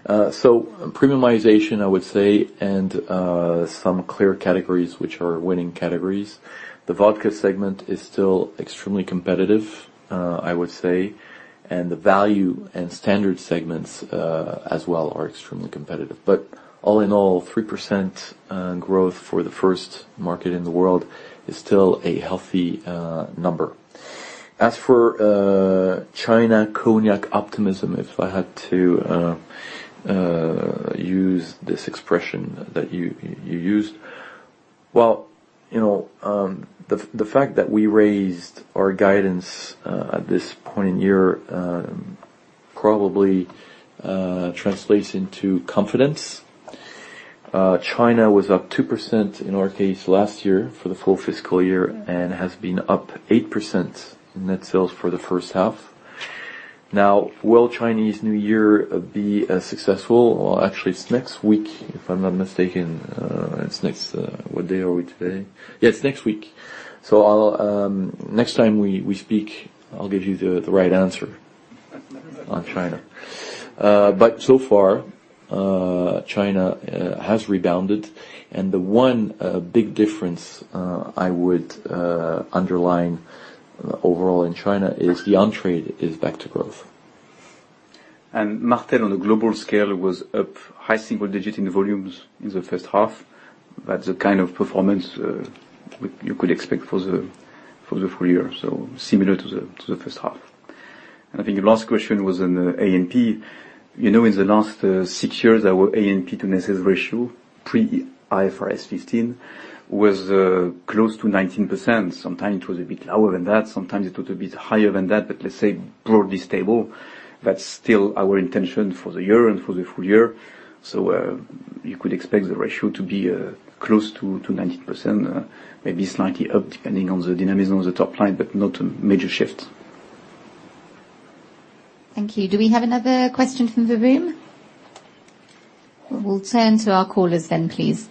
Premiumization, I would say, and some clear categories which are winning categories. The vodka segment is still extremely competitive, I would say. The value and standard segments as well are extremely competitive. All in all, 3% growth for the first market in the world is still a healthy number. As for China Cognac optimism, if I had to use this expression that you used. The fact that we raised our guidance at this point in year probably translates into confidence. China was up 2% in our case last year for the full fiscal year and has been up 8% in net sales for the first half. Will Chinese New Year be as successful? It's next week, if I'm not mistaken. What day are we today? It's next week. Next time we speak, I'll give you the right answer on China. So far, China has rebounded. The one big difference I would underline overall in China is the on-trade is back to growth. Martell on a global scale was up high single digit in volumes in the first half. That's the kind of performance you could expect for the full year, so similar to the first half. I think your last question was on the A&P. In the last six years, our A&P to net sales ratio pre IFRS 15 was close to 19%. Sometimes it was a bit lower than that, sometimes it was a bit higher than that, broadly stable. That's still our intention for the year and for the full year. You could expect the ratio to be close to 19%, maybe slightly up, depending on the dynamics on the top line, not a major shift. Thank you. Do we have another question from the room? We'll turn to our callers, please.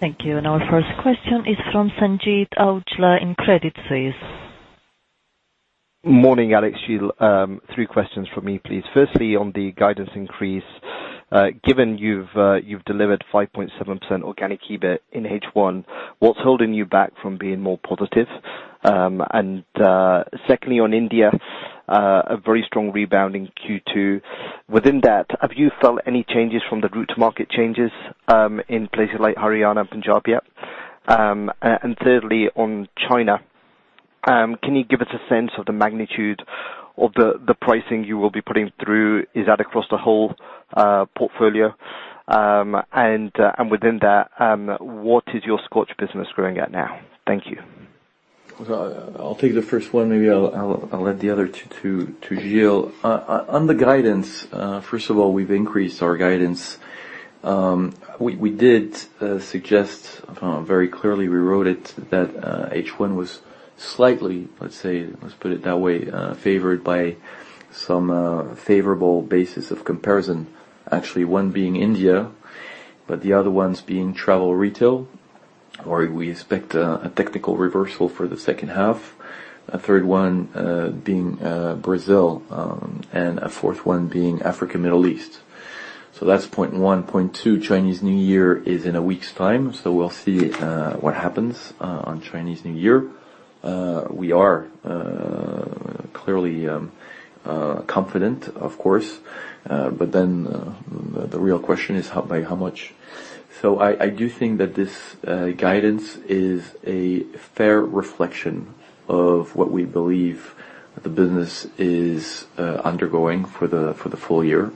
Thank you. Our first question is from Sanjeet Aujla in Credit Suisse. Morning, Alex, Gilles. Three questions from me, please. Firstly, on the guidance increase, given you've delivered 5.7% organic EBIT in H1, what's holding you back from being more positive? Secondly, on India, a very strong rebound in Q2. Within that, have you felt any changes from the route-to-market changes in places like Haryana, Punjab yet? Thirdly, on China, can you give us a sense of the magnitude of the pricing you will be putting through? Is that across the whole portfolio? Within that, what is your Scotch business growing at now? Thank you. I'll take the first one. Maybe I'll let the other two to Gilles. On the guidance, first of all, we've increased our guidance. We did suggest, very clearly we wrote it, that H1 was slightly, let's put it that way, favored by some favorable basis of comparison. Actually, one being India, but the other ones being travel retail, where we expect a technical reversal for the second half. A third one being Brazil, and a fourth one being Africa, Middle East. That's point 1. Point 2, Chinese New Year is in a week's time, we'll see what happens on Chinese New Year. We are clearly confident, of course, the real question is by how much. I do think that this guidance is a fair reflection of what we believe the business is undergoing for the full year.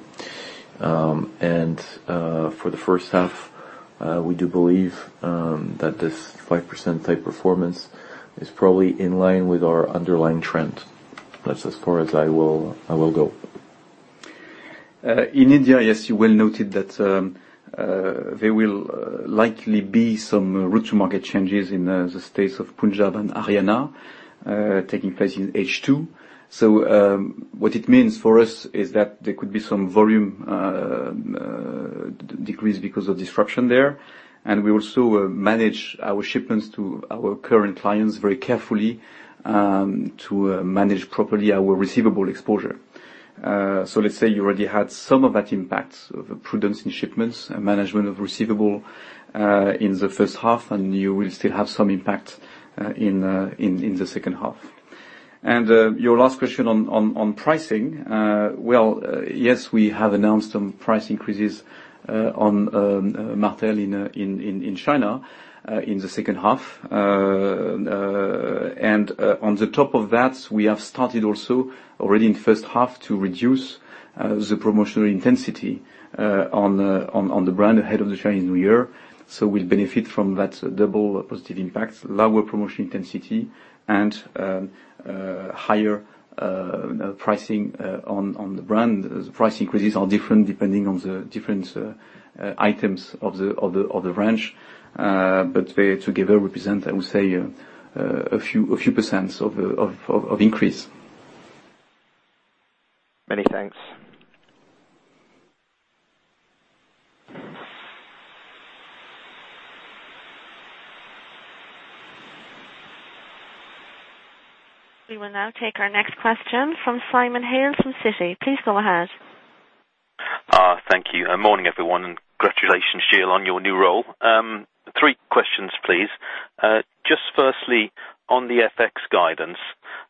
For the first half, we do believe that this 5% type performance is probably in line with our underlying trend. That's as far as I will go. In India, yes, you well noted that there will likely be some route-to-market changes in the states of Punjab and Haryana taking place in H2. What it means for us is that there could be some volume decrease because of disruption there. We also manage our shipments to our current clients very carefully to manage properly our receivable exposure. Let's say you already had some of that impact of prudence in shipments and management of receivable in the first half, and you will still have some impact in the second half. Your last question on pricing. Well, yes, we have announced some price increases on Martell in China in the second half. On the top of that, we have started also already in first half to reduce the promotional intensity on the brand ahead of the Chinese New Year. We'll benefit from that double positive impact, lower promotion intensity, and higher pricing on the brand. Price increases are different depending on the different items of the range. They together represent, I would say, a few % of increase. Many thanks. We will now take our next question from Simon Hales from Citi. Please go ahead. Thank you. Morning, everyone, and congratulations, Gilles, on your new role. Three questions, please. Firstly, on the FX guidance,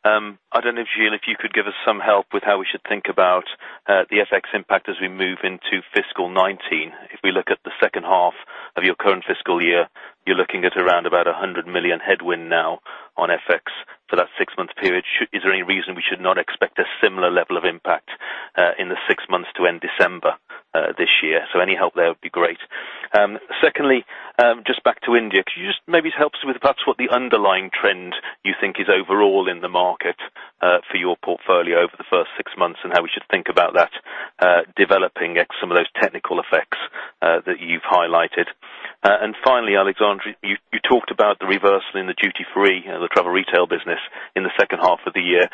I don't know, Gilles, if you could give us some help with how we should think about the FX impact as we move into fiscal 2019. If we look at the second half of your current fiscal year, you're looking at around about 100 million headwind now on FX for that six-month period. Is there any reason we should not expect a similar level of impact in the six months to end December this year? Any help there would be great. Secondly, back to India. Could you maybe help us with perhaps what the underlying trend you think is overall in the market for your portfolio over the first six months and how we should think about that developing some of those technical effects? That you've highlighted. Finally, Alexandre, you talked about the reversal in the duty-free, the travel retail business in the second half of the year.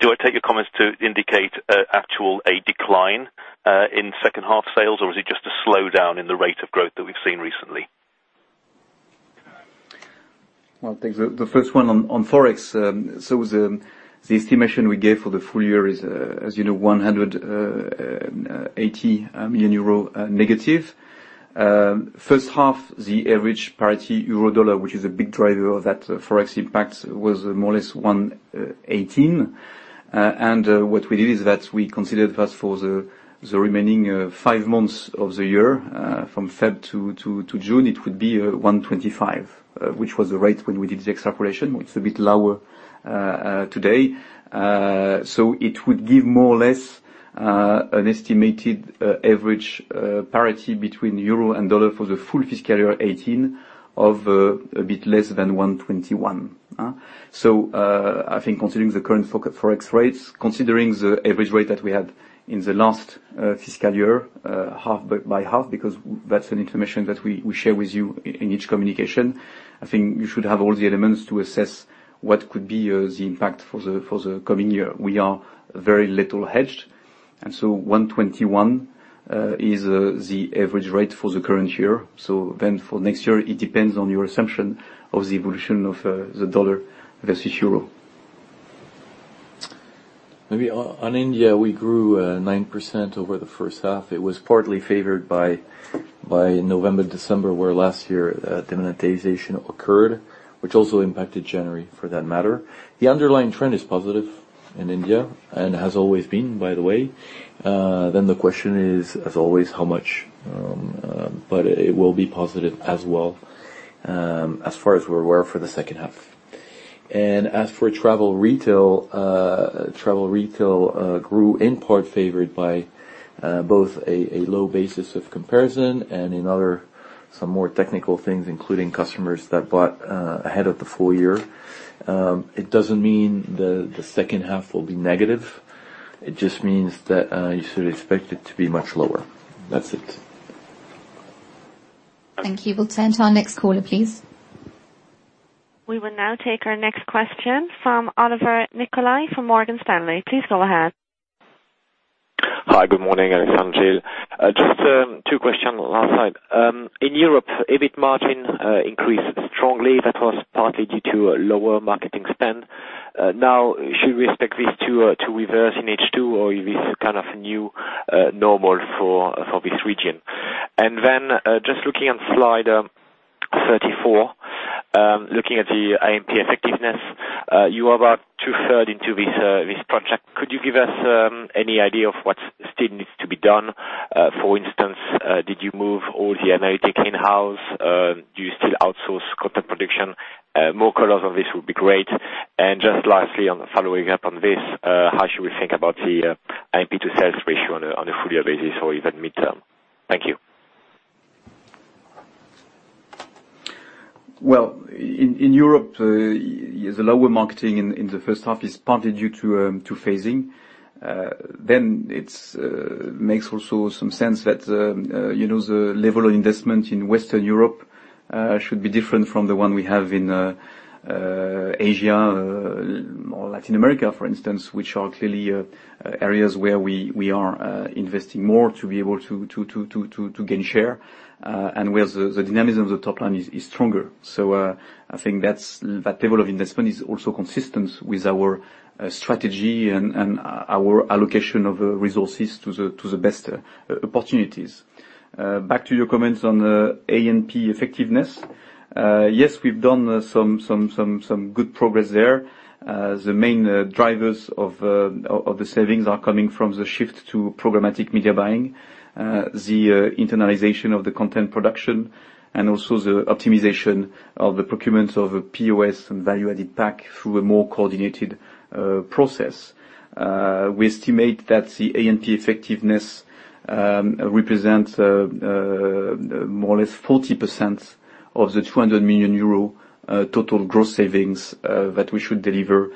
Do I take your comments to indicate actual decline in second half sales, or is it just a slowdown in the rate of growth that we've seen recently? Well, thanks. The first one on Forex. The estimation we gave for the full year is, as you know, 180 million euro negative. First half, the average parity euro dollar, which is a big driver of that Forex impact, was more or less 118. What we did is that we considered that for the remaining 5 months of the year, from Feb to June, it would be 125, which was the rate when we did the extrapolation. It's a bit lower today. It would give more or less an estimated average parity between euro and dollar for the full fiscal year 2018 of a bit less than 121. I think considering the current Forex rates, considering the average rate that we had in the last fiscal year, half by half, because that's an information that we share with you in each communication, I think you should have all the elements to assess what could be the impact for the coming year. We are very little hedged, 121 is the average rate for the current year. For next year, it depends on your assumption of the evolution of the dollar versus euro. Maybe on India, we grew 9% over the first half. It was partly favored by November, December, where last year, demonetization occurred, which also impacted January for that matter. The underlying trend is positive in India and has always been, by the way. The question is, as always, how much? It will be positive as well, as far as we're aware, for the second half. As for travel retail, travel retail grew in part favored by both a low basis of comparison and in other, some more technical things, including customers that bought ahead of the full year. It doesn't mean the second half will be negative. It just means that you should expect it to be much lower. That's it. Thank you. We'll turn to our next caller, please. We will now take our next question from Olivier Nicolai from Morgan Stanley. Please go ahead. Hi. Good morning, Alexandre, Gilles. Just two questions on our side. In Europe, EBIT margin increased strongly. That was partly due to lower marketing spend. Should we expect this to reverse in H2 or are you in a kind of new normal for this region? Just looking on slide 34, looking at the A&P effectiveness, you are about two-thirds into this project. Could you give us any idea of what still needs to be done? For instance, did you move all the analytics in-house? Do you still outsource content production? More colors on this would be great. Lastly, on following up on this, how should we think about the A&P to sales ratio on a full year basis or even midterm? Thank you. In Europe, the lower marketing in the first half is partly due to phasing. It makes also some sense that the level of investment in Western Europe should be different from the one we have in Asia or Latin America, for instance, which are clearly areas where we are investing more to be able to gain share, and where the dynamism of the top line is stronger. I think that level of investment is also consistent with our strategy and our allocation of resources to the best opportunities. Back to your comments on A&P effectiveness. Yes, we've done some good progress there. The main drivers of the savings are coming from the shift to programmatic media buying, the internalization of the content production, and also the optimization of the procurement of POS and value-added pack through a more coordinated process. We estimate that the A&P effectiveness represents more or less 40% of the 200 million euro total gross savings that we should deliver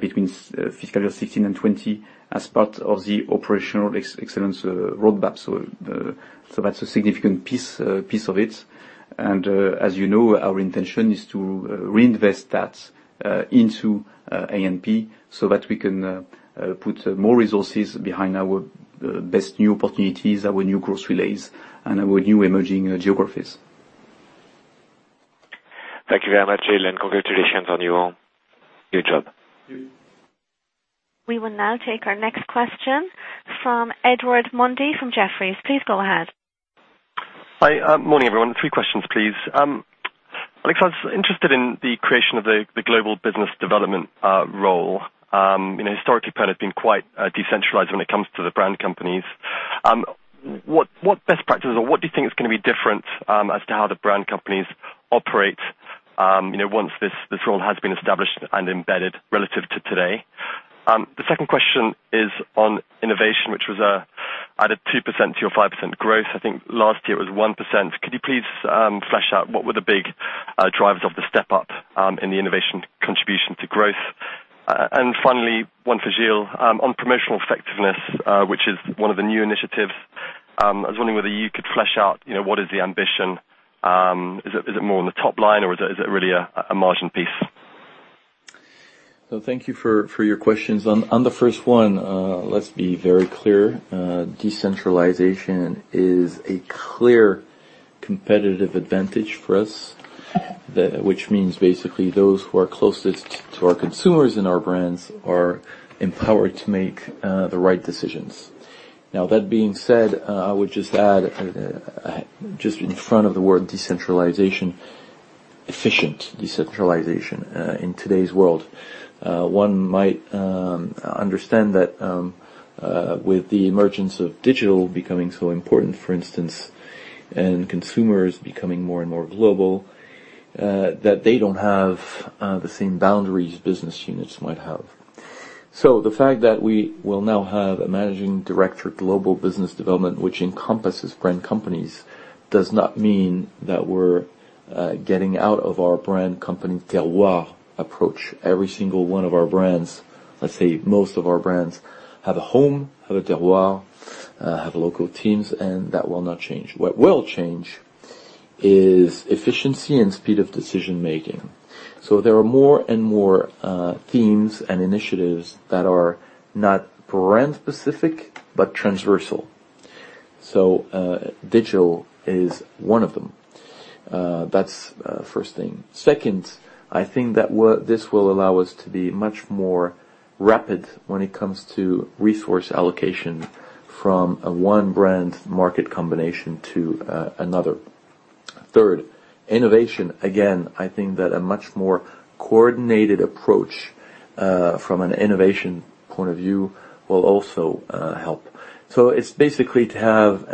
between FY 2016 and FY 2020 as part of the operational excellence roadmap. That's a significant piece of it. As you know, our intention is to reinvest that into A&P so that we can put more resources behind our best new opportunities, our new growth relays, and our new emerging geographies. Thank you very much, Gilles, congratulations on your new job. We will now take our next question from Edward Mundy from Jefferies. Please go ahead. Hi. Morning, everyone. Three questions, please. Alexandre, I was interested in the creation of the global business development role. Historically, Pernod has been quite decentralized when it comes to the brand companies. What best practices or what do you think is going to be different as to how the brand companies operate once this role has been established and embedded relative to today? The second question is on innovation, which was added 2% to your 5% growth. I think last year it was 1%. Could you please flesh out what were the big drivers of the step-up in the innovation to growth. Finally, one for Gilles. On promotional effectiveness, which is one of the new initiatives, I was wondering whether you could flesh out what is the ambition. Is it more on the top line or is it really a margin piece? Thank you for your questions. On the first one, let's be very clear. Decentralization is a clear competitive advantage for us, which means basically those who are closest to our consumers and our brands are empowered to make the right decisions. That being said, I would just add, just in front of the word decentralization, efficient decentralization in today's world. One might understand that with the emergence of digital becoming so important, for instance, and consumers becoming more and more global, that they don't have the same boundaries business units might have. The fact that we will now have a managing director global business development, which encompasses brand companies, does not mean that we're getting out of our brand company terroir approach. Every single one of our brands, let's say most of our brands, have a home, have a terroir, have local teams, and that will not change. What will change is efficiency and speed of decision-making. There are more and more themes and initiatives that are not brand specific, but transversal. Digital is one of them. That's first thing. Second, I think that this will allow us to be much more rapid when it comes to resource allocation from one brand market combination to another. Third, innovation. Again, I think that a much more coordinated approach from an innovation point of view will also help. It's basically to have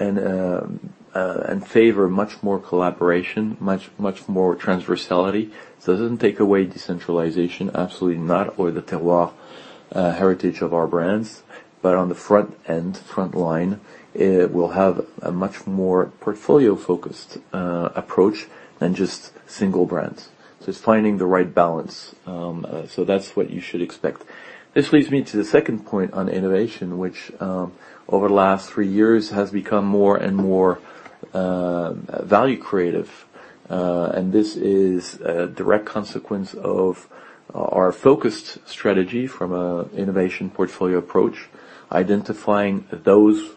and favor much more collaboration, much more transversality. It doesn't take away decentralization, absolutely not, or the terroir heritage of our brands. On the front end, front line, it will have a much more portfolio-focused approach than just single brands. It's finding the right balance. That's what you should expect. This leads me to the second point on innovation, which over the last three years has become more and more value creative. This is a direct consequence of our focused strategy from an innovation portfolio approach, identifying those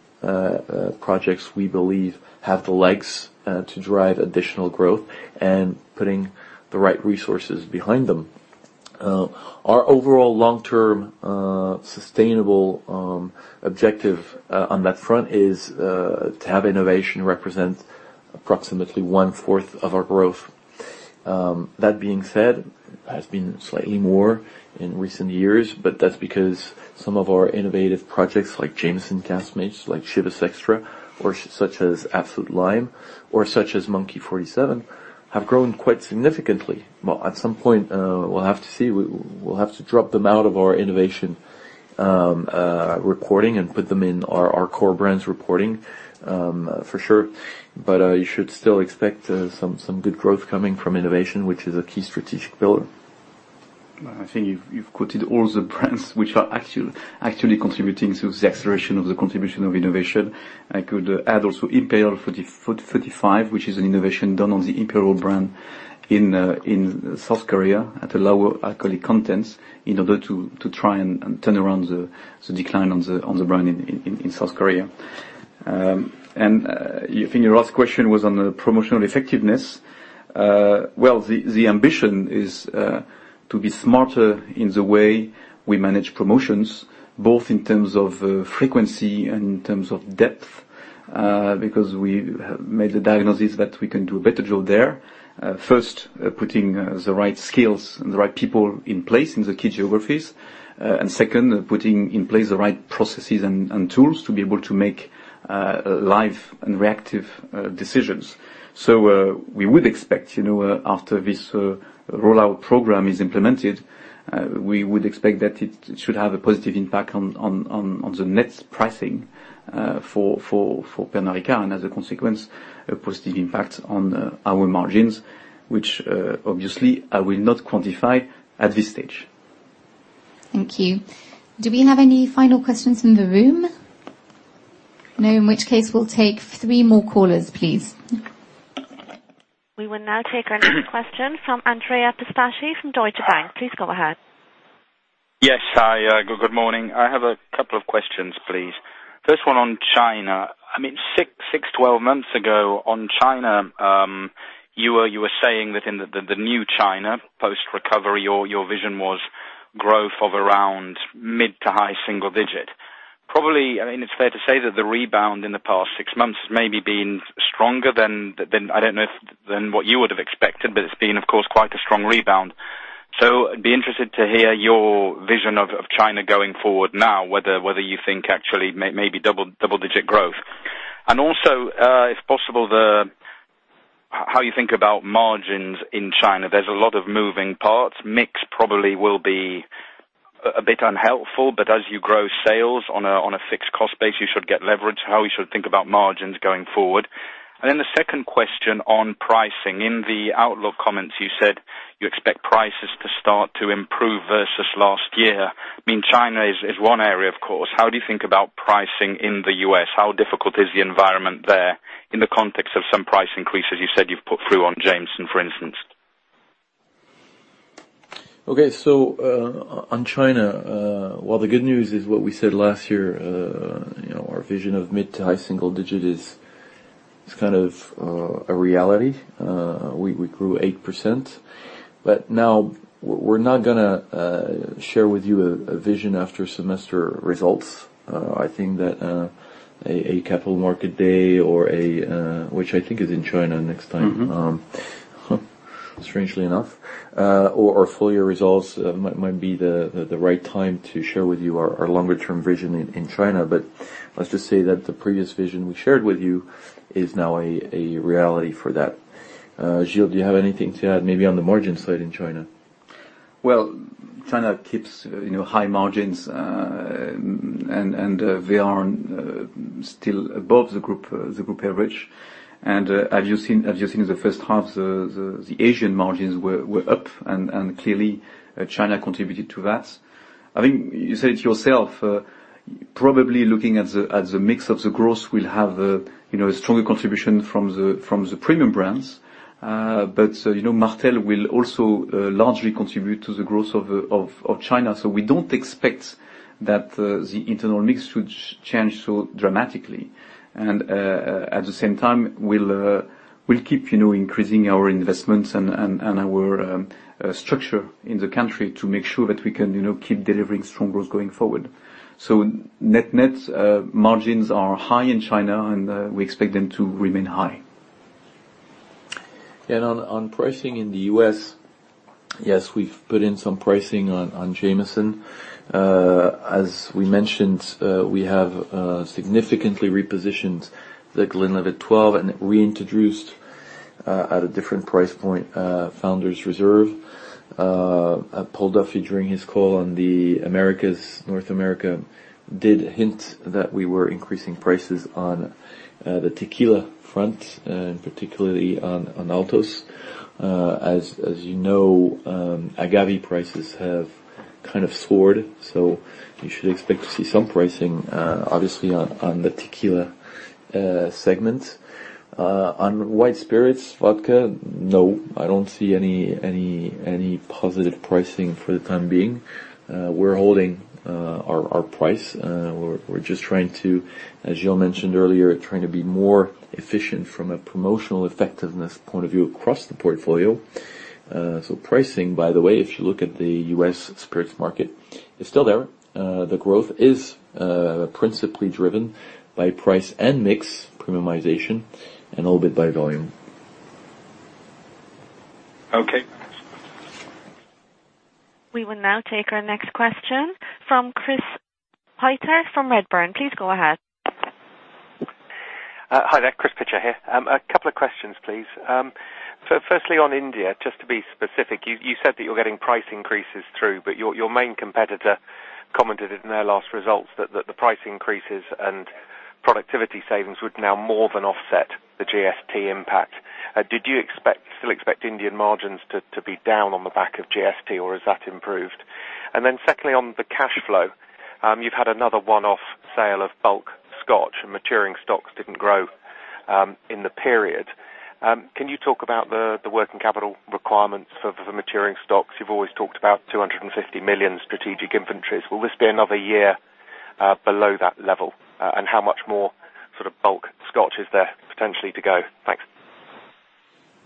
projects we believe have the legs to drive additional growth and putting the right resources behind them. Our overall long-term sustainable objective on that front is to have innovation represent approximately one-fourth of our growth. That being said, it has been slightly more in recent years, but that's because some of our innovative projects like Jameson Caskmates, like Chivas Extra, or such as Absolut Lime, or such as Monkey 47, have grown quite significantly. Well, at some point, we'll have to see. We'll have to drop them out of our innovation reporting and put them in our core brands reporting for sure. You should still expect some good growth coming from innovation, which is a key strategic pillar. I think you've quoted all the brands which are actually contributing to the acceleration of the contribution of innovation. I could add also 35 by Imperial, which is an innovation done on the Imperial brand in South Korea at a lower alcoholic content in order to try and turn around the decline on the brand in South Korea. I think your last question was on the promotional effectiveness. Well, the ambition is to be smarter in the way we manage promotions, both in terms of frequency and in terms of depth, because we have made the diagnosis that we can do a better job there. First, putting the right skills and the right people in place in the key geographies. Second, putting in place the right processes and tools to be able to make live and reactive decisions. We would expect, after this rollout program is implemented, we would expect that it should have a positive impact on the net pricing for Pernod Ricard, and as a consequence, a positive impact on our margins, which obviously I will not quantify at this stage. Thank you. Do we have any final questions in the room? No. In which case, we'll take three more callers, please. We will now take another question from Andrea Pistacchi from Deutsche Bank. Please go ahead. Yes. Good morning. I have a couple of questions, please. First one on China. 6, 12 months ago on China, you were saying that in the new China post-recovery, your vision was growth of around mid to high single-digit. Probably, I mean, it's fair to say that the rebound in the past 6 months has maybe been stronger than, I don't know, what you would have expected, but it's been, of course, quite a strong rebound. I'd be interested to hear your vision of China going forward now, whether you think actually maybe double-digit growth. Also, if possible, how you think about margins in China. There's a lot of moving parts. Mix probably will be a bit unhelpful, but as you grow sales on a fixed cost base, you should get leverage. How we should think about margins going forward. The second question on pricing. In the outlook comments, you said you expect prices to start to improve versus last year. China is one area, of course. How do you think about pricing in the U.S.? How difficult is the environment there in the context of some price increases you said you've put through on Jameson, for instance? Okay. On China, while the good news is what we said last year, our vision of mid to high single-digit is a reality. We grew 8%. Now we're not going to share with you a vision after semester results. I think that a capital market day, which I think is in China next time- strangely enough. Full year results might be the right time to share with you our longer-term vision in China. Let's just say that the previous vision we shared with you is now a reality for that. Gilles, do you have anything to add, maybe on the margin side in China? China keeps high margins. They are still above the group average. As you've seen in the first half, the Asian margins were up and, clearly, China contributed to that. I think you said it yourself, probably looking at the mix of the growth will have a stronger contribution from the premium brands. Martell will also largely contribute to the growth of China. We don't expect that the internal mix should change so dramatically. At the same time, we'll keep increasing our investments and our structure in the country to make sure that we can keep delivering strong growth going forward. Net-net margins are high in China, and we expect them to remain high. On pricing in the U.S., yes, we've put in some pricing on Jameson. As we mentioned, we have significantly repositioned The Glenlivet 12 and reintroduced, at a different price point, Founder's Reserve. Paul Duffy during his call on the North America did hint that we were increasing prices on the tequila front, and particularly on Altos. As you know, agave prices have soared, you should expect to see some pricing, obviously, on the tequila segment. On white spirits, vodka, no, I don't see any positive pricing for the time being. We're holding our price. We're just, as Gilles mentioned earlier, trying to be more efficient from a promotional effectiveness point of view across the portfolio. Pricing, by the way, if you look at the U.S. spirits market, is still there. The growth is principally driven by price and mix premiumization and a little bit by volume. Okay. We will now take our next question from Chris Pitcher from Redburn. Please go ahead. Hi there, Chris Pitcher here. A couple of questions, please. Firstly, on India, just to be specific, you said that you're getting price increases through. Your main competitor commented in their last results that the price increases and productivity savings would now more than offset the GST impact. Did you still expect Indian margins to be down on the back of GST, or has that improved? Secondly, on the cash flow, you've had another one-off sale of bulk Scotch, and maturing stocks didn't grow in the period. Can you talk about the working capital requirements for the maturing stocks? You've always talked about 250 million strategic inventories. Will this be another year below that level? How much more bulk Scotch is there potentially to go? Thanks.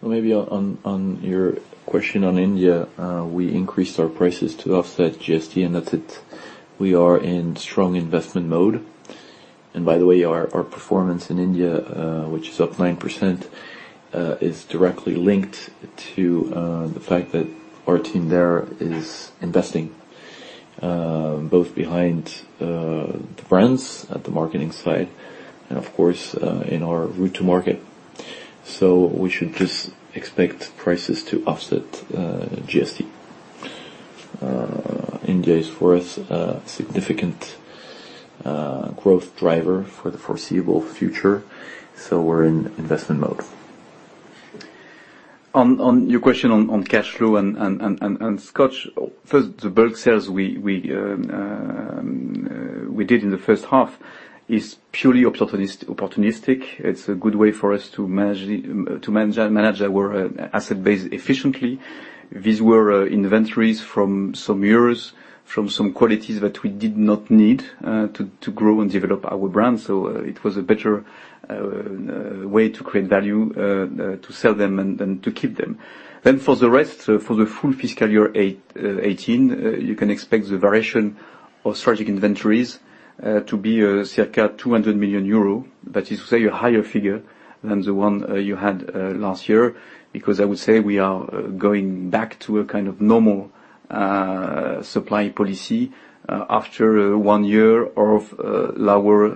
Maybe on your question on India, we increased our prices to offset GST, that's it. We are in strong investment mode. By the way, our performance in India, which is up 9%, is directly linked to the fact that our team there is investing. Both behind the brands at the marketing side and, of course, in our route to market. We should just expect prices to offset GST. India is for us a significant growth driver for the foreseeable future, so we're in investment mode. On your question on cash flow and Scotch. First, the bulk sales we did in the first half is purely opportunistic. It's a good way for us to manage our asset base efficiently. These were inventories from some years, from some qualities that we did not need to grow and develop our brand. It was a better way to create value, to sell them than to keep them. For the rest, for the full fiscal year 2018, you can expect the variation of strategic inventories to be circa 200 million euro. That is to say, a higher figure than the one you had last year, because I would say we are going back to a kind of normal supply policy after one year of lower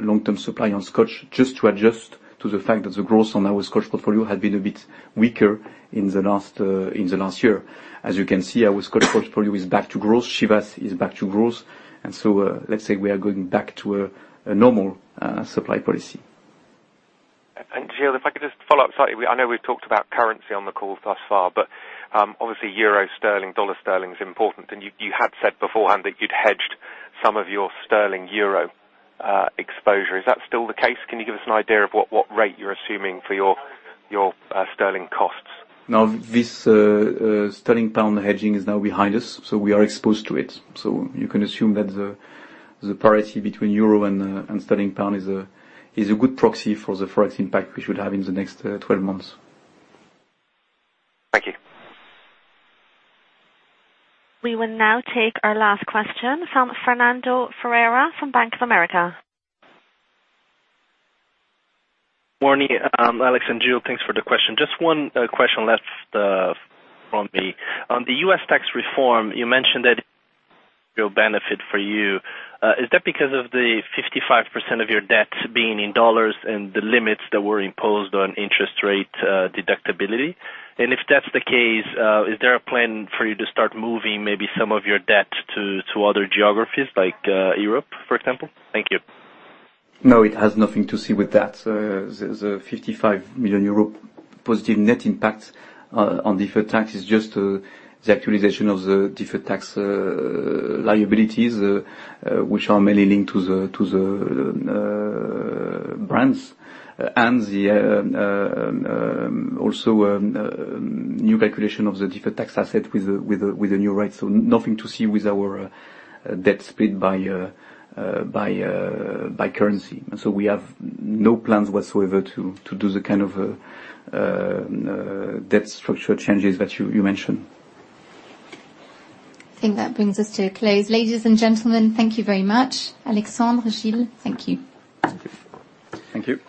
long-term supply on Scotch, just to adjust to the fact that the growth on our Scotch portfolio had been a bit weaker in the last year. You can see, our Scotch portfolio is back to growth. Chivas is back to growth. Let's say we are going back to a normal supply policy. Gilles, if I could just follow up slightly. I know we've talked about currency on the call thus far, obviously euro sterling, dollar sterling is important. You had said beforehand that you'd hedged some of your sterling euro exposure. Is that still the case? Can you give us an idea of what rate you're assuming for your sterling costs? This sterling pound hedging is now behind us, so we are exposed to it. You can assume that the parity between Euro and sterling pound is a good proxy for the forex impact we should have in the next 12 months. Thank you. We will now take our last question from Fernando Ferreira from Bank of America. Morning, Alexandre, Gilles. Thanks for the question. Just one question left from me. On the U.S. tax reform, you mentioned that it will benefit for you. Is that because of the 55% of your debt being in dollars and the limits that were imposed on interest rate deductibility? If that's the case, is there a plan for you to start moving maybe some of your debt to other geographies, like Europe, for example? Thank you. No, it has nothing to do with that. The 55 million euro positive net impact on deferred tax is just the actualization of the deferred tax liabilities, which are mainly linked to the brands. Also, new calculation of the deferred tax asset with the new rates. Nothing to do with our debt split by currency. We have no plans whatsoever to do the kind of debt structure changes that you mentioned. I think that brings us to a close. Ladies and gentlemen, thank you very much. Alexandre, Gilles, thank you. Thank you. Thank you.